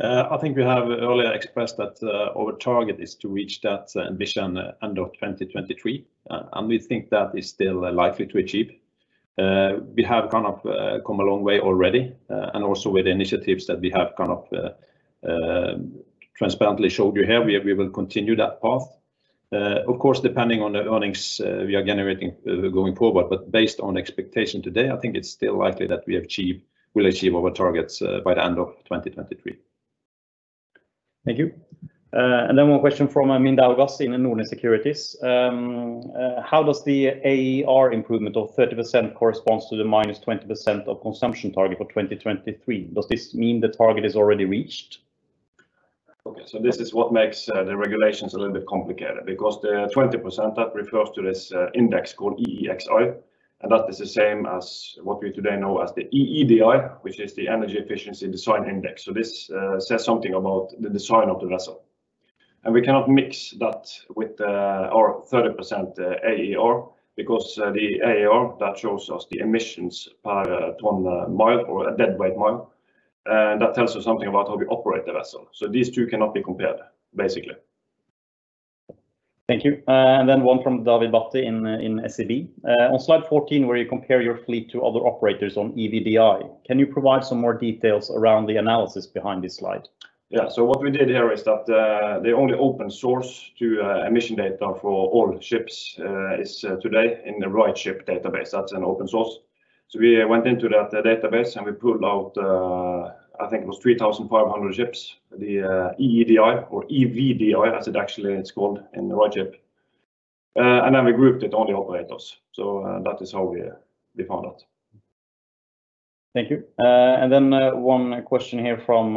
I think we have earlier expressed that our target is to reach that ambition end of 2023, and we think that is still likely to achieve. We have come a long way already, and also with the initiatives that we have transparently showed you here, we will continue that path. Of course, depending on the earnings we are generating going forward, but based on expectation today, I think it's still likely that we'll achieve our targets by the end of 2023. Thank you. Then one question from Amin Dalgas in Siemens Securities. How does the AER improvement of 30% corresponds to the -20% of consumption target for 2023? Does this mean the target is already reached? Okay, this is what makes the regulations a little bit complicated, because the 20% that refers to this index called EEXI, and that is the same as what we today know as the EEDI, which is the energy efficiency design index. This says something about the design of the vessel. We cannot mix that with our 30% AER because the AER that shows us the emissions per ton mile or a dead weight mile, that tells us something about how we operate the vessel. These two cannot be compared, basically. Thank you. Then one from David Batty in SEB. On slide 14, where you compare your fleet to other operators on EVDI, can you provide some more details around the analysis behind this slide? Yeah. What we did here is that the only open source to emission data for all ships is today in the RightShip database. That's an open source. We went into that database, and we pulled out, I think it was 3,500 ships, the EEDI or EVDI as it actually is called in the RightShip. Then we grouped it on the operators. That is how we found out. Thank you. One question here from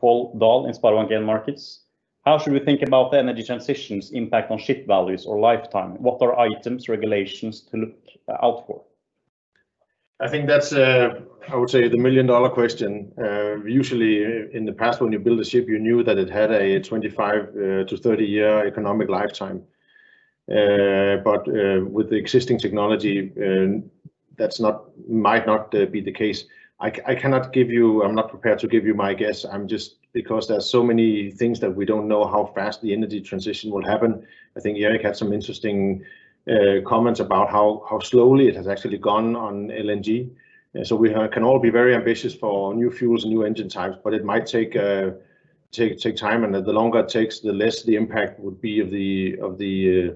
Pål Dahl in SpareBank 1 Markets. How should we think about the energy transition's impact on ship values or lifetime? What are items, regulations to look out for? I think that's, I would say the $1 million question. Usually in the past, when you build a ship, you knew that it had a 25-30 year economic lifetime. With the existing technology, that might not be the case. I'm not prepared to give you my guess. Because there's so many things that we don't know how fast the energy transition would happen. I think Erik had some interesting comments about how slowly it has actually gone on LNG. We can all be very ambitious for new fuels and new engine types, it might take time. The longer it takes, the less the impact would be of the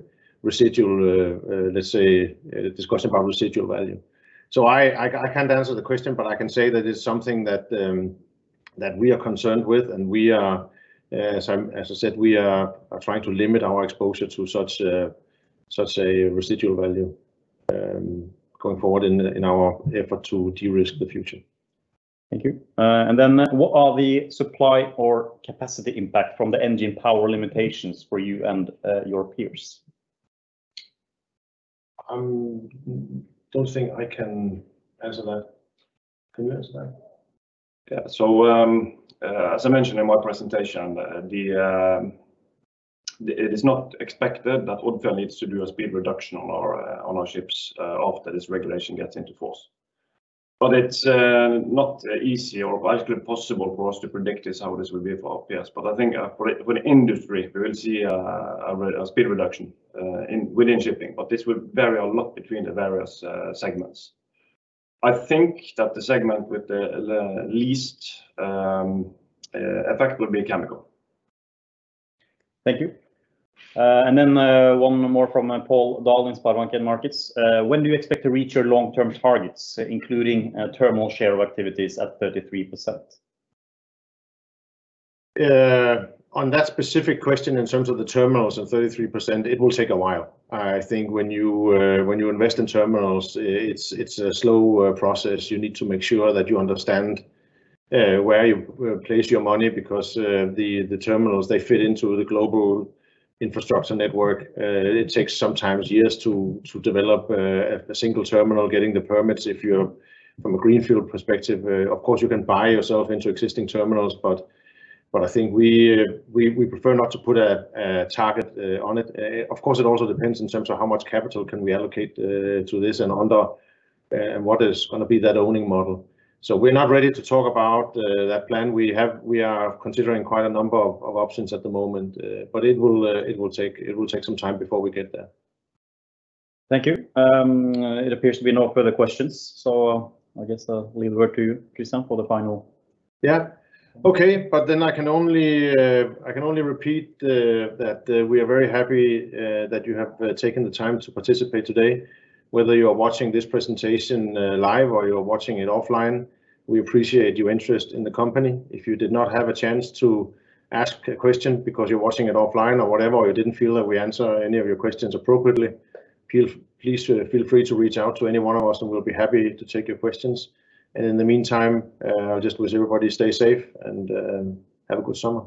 discussion about residual value. I can't answer the question, but I can say that it's something that we are concerned with, and as I said, we are trying to limit our exposure to such a residual value going forward in our effort to de-risk the future. Thank you. What are the supply or capacity impact from the engine power limitations for you and your peers? I don't think I can answer that. Can you answer that? Yeah. As I mentioned in my presentation, it is not expected that Odfjell needs to do a speed reduction on our ships after this regulation gets into force. It's not easy or likely possible for us to predict how this will be for FPS. I think for the industry, we will see a speed reduction within shipping, but this will vary a lot between the various segments. I think that the segment with the least effect will be chemical. Thank you. One more from Pål Dahl of SpareBank 1 Markets. When do you expect to reach your long-term targets, including terminal share activities at 33%? On that specific question in terms of the terminals and 33%, it will take a while. I think when you invest in terminals, it's a slow process. You need to make sure that you understand where you place your money because the terminals fit into the global infrastructure network. It takes sometimes years to develop a single terminal, getting the permits if you're from a greenfield perspective. You can buy yourself into existing terminals, but I think we prefer not to put a target on it. It also depends in terms of how much capital can we allocate to this and what is going to be that owning model. We're not ready to talk about that plan. We are considering quite a number of options at the moment, but it will take some time before we get there. Thank you. It appears to be no further questions, so I guess I'll leave it over to you, Kristian, for the final. Yeah. Okay, I can only repeat that we are very happy that you have taken the time to participate today. Whether you are watching this presentation live or you're watching it offline, we appreciate your interest in the company. If you did not have a chance to ask a question because you're watching it offline or whatever, or you didn't feel that we answered any of your questions appropriately, please feel free to reach out to any one of us and we'll be happy to take your questions. In the meantime, I just wish everybody stay safe and have a good summer.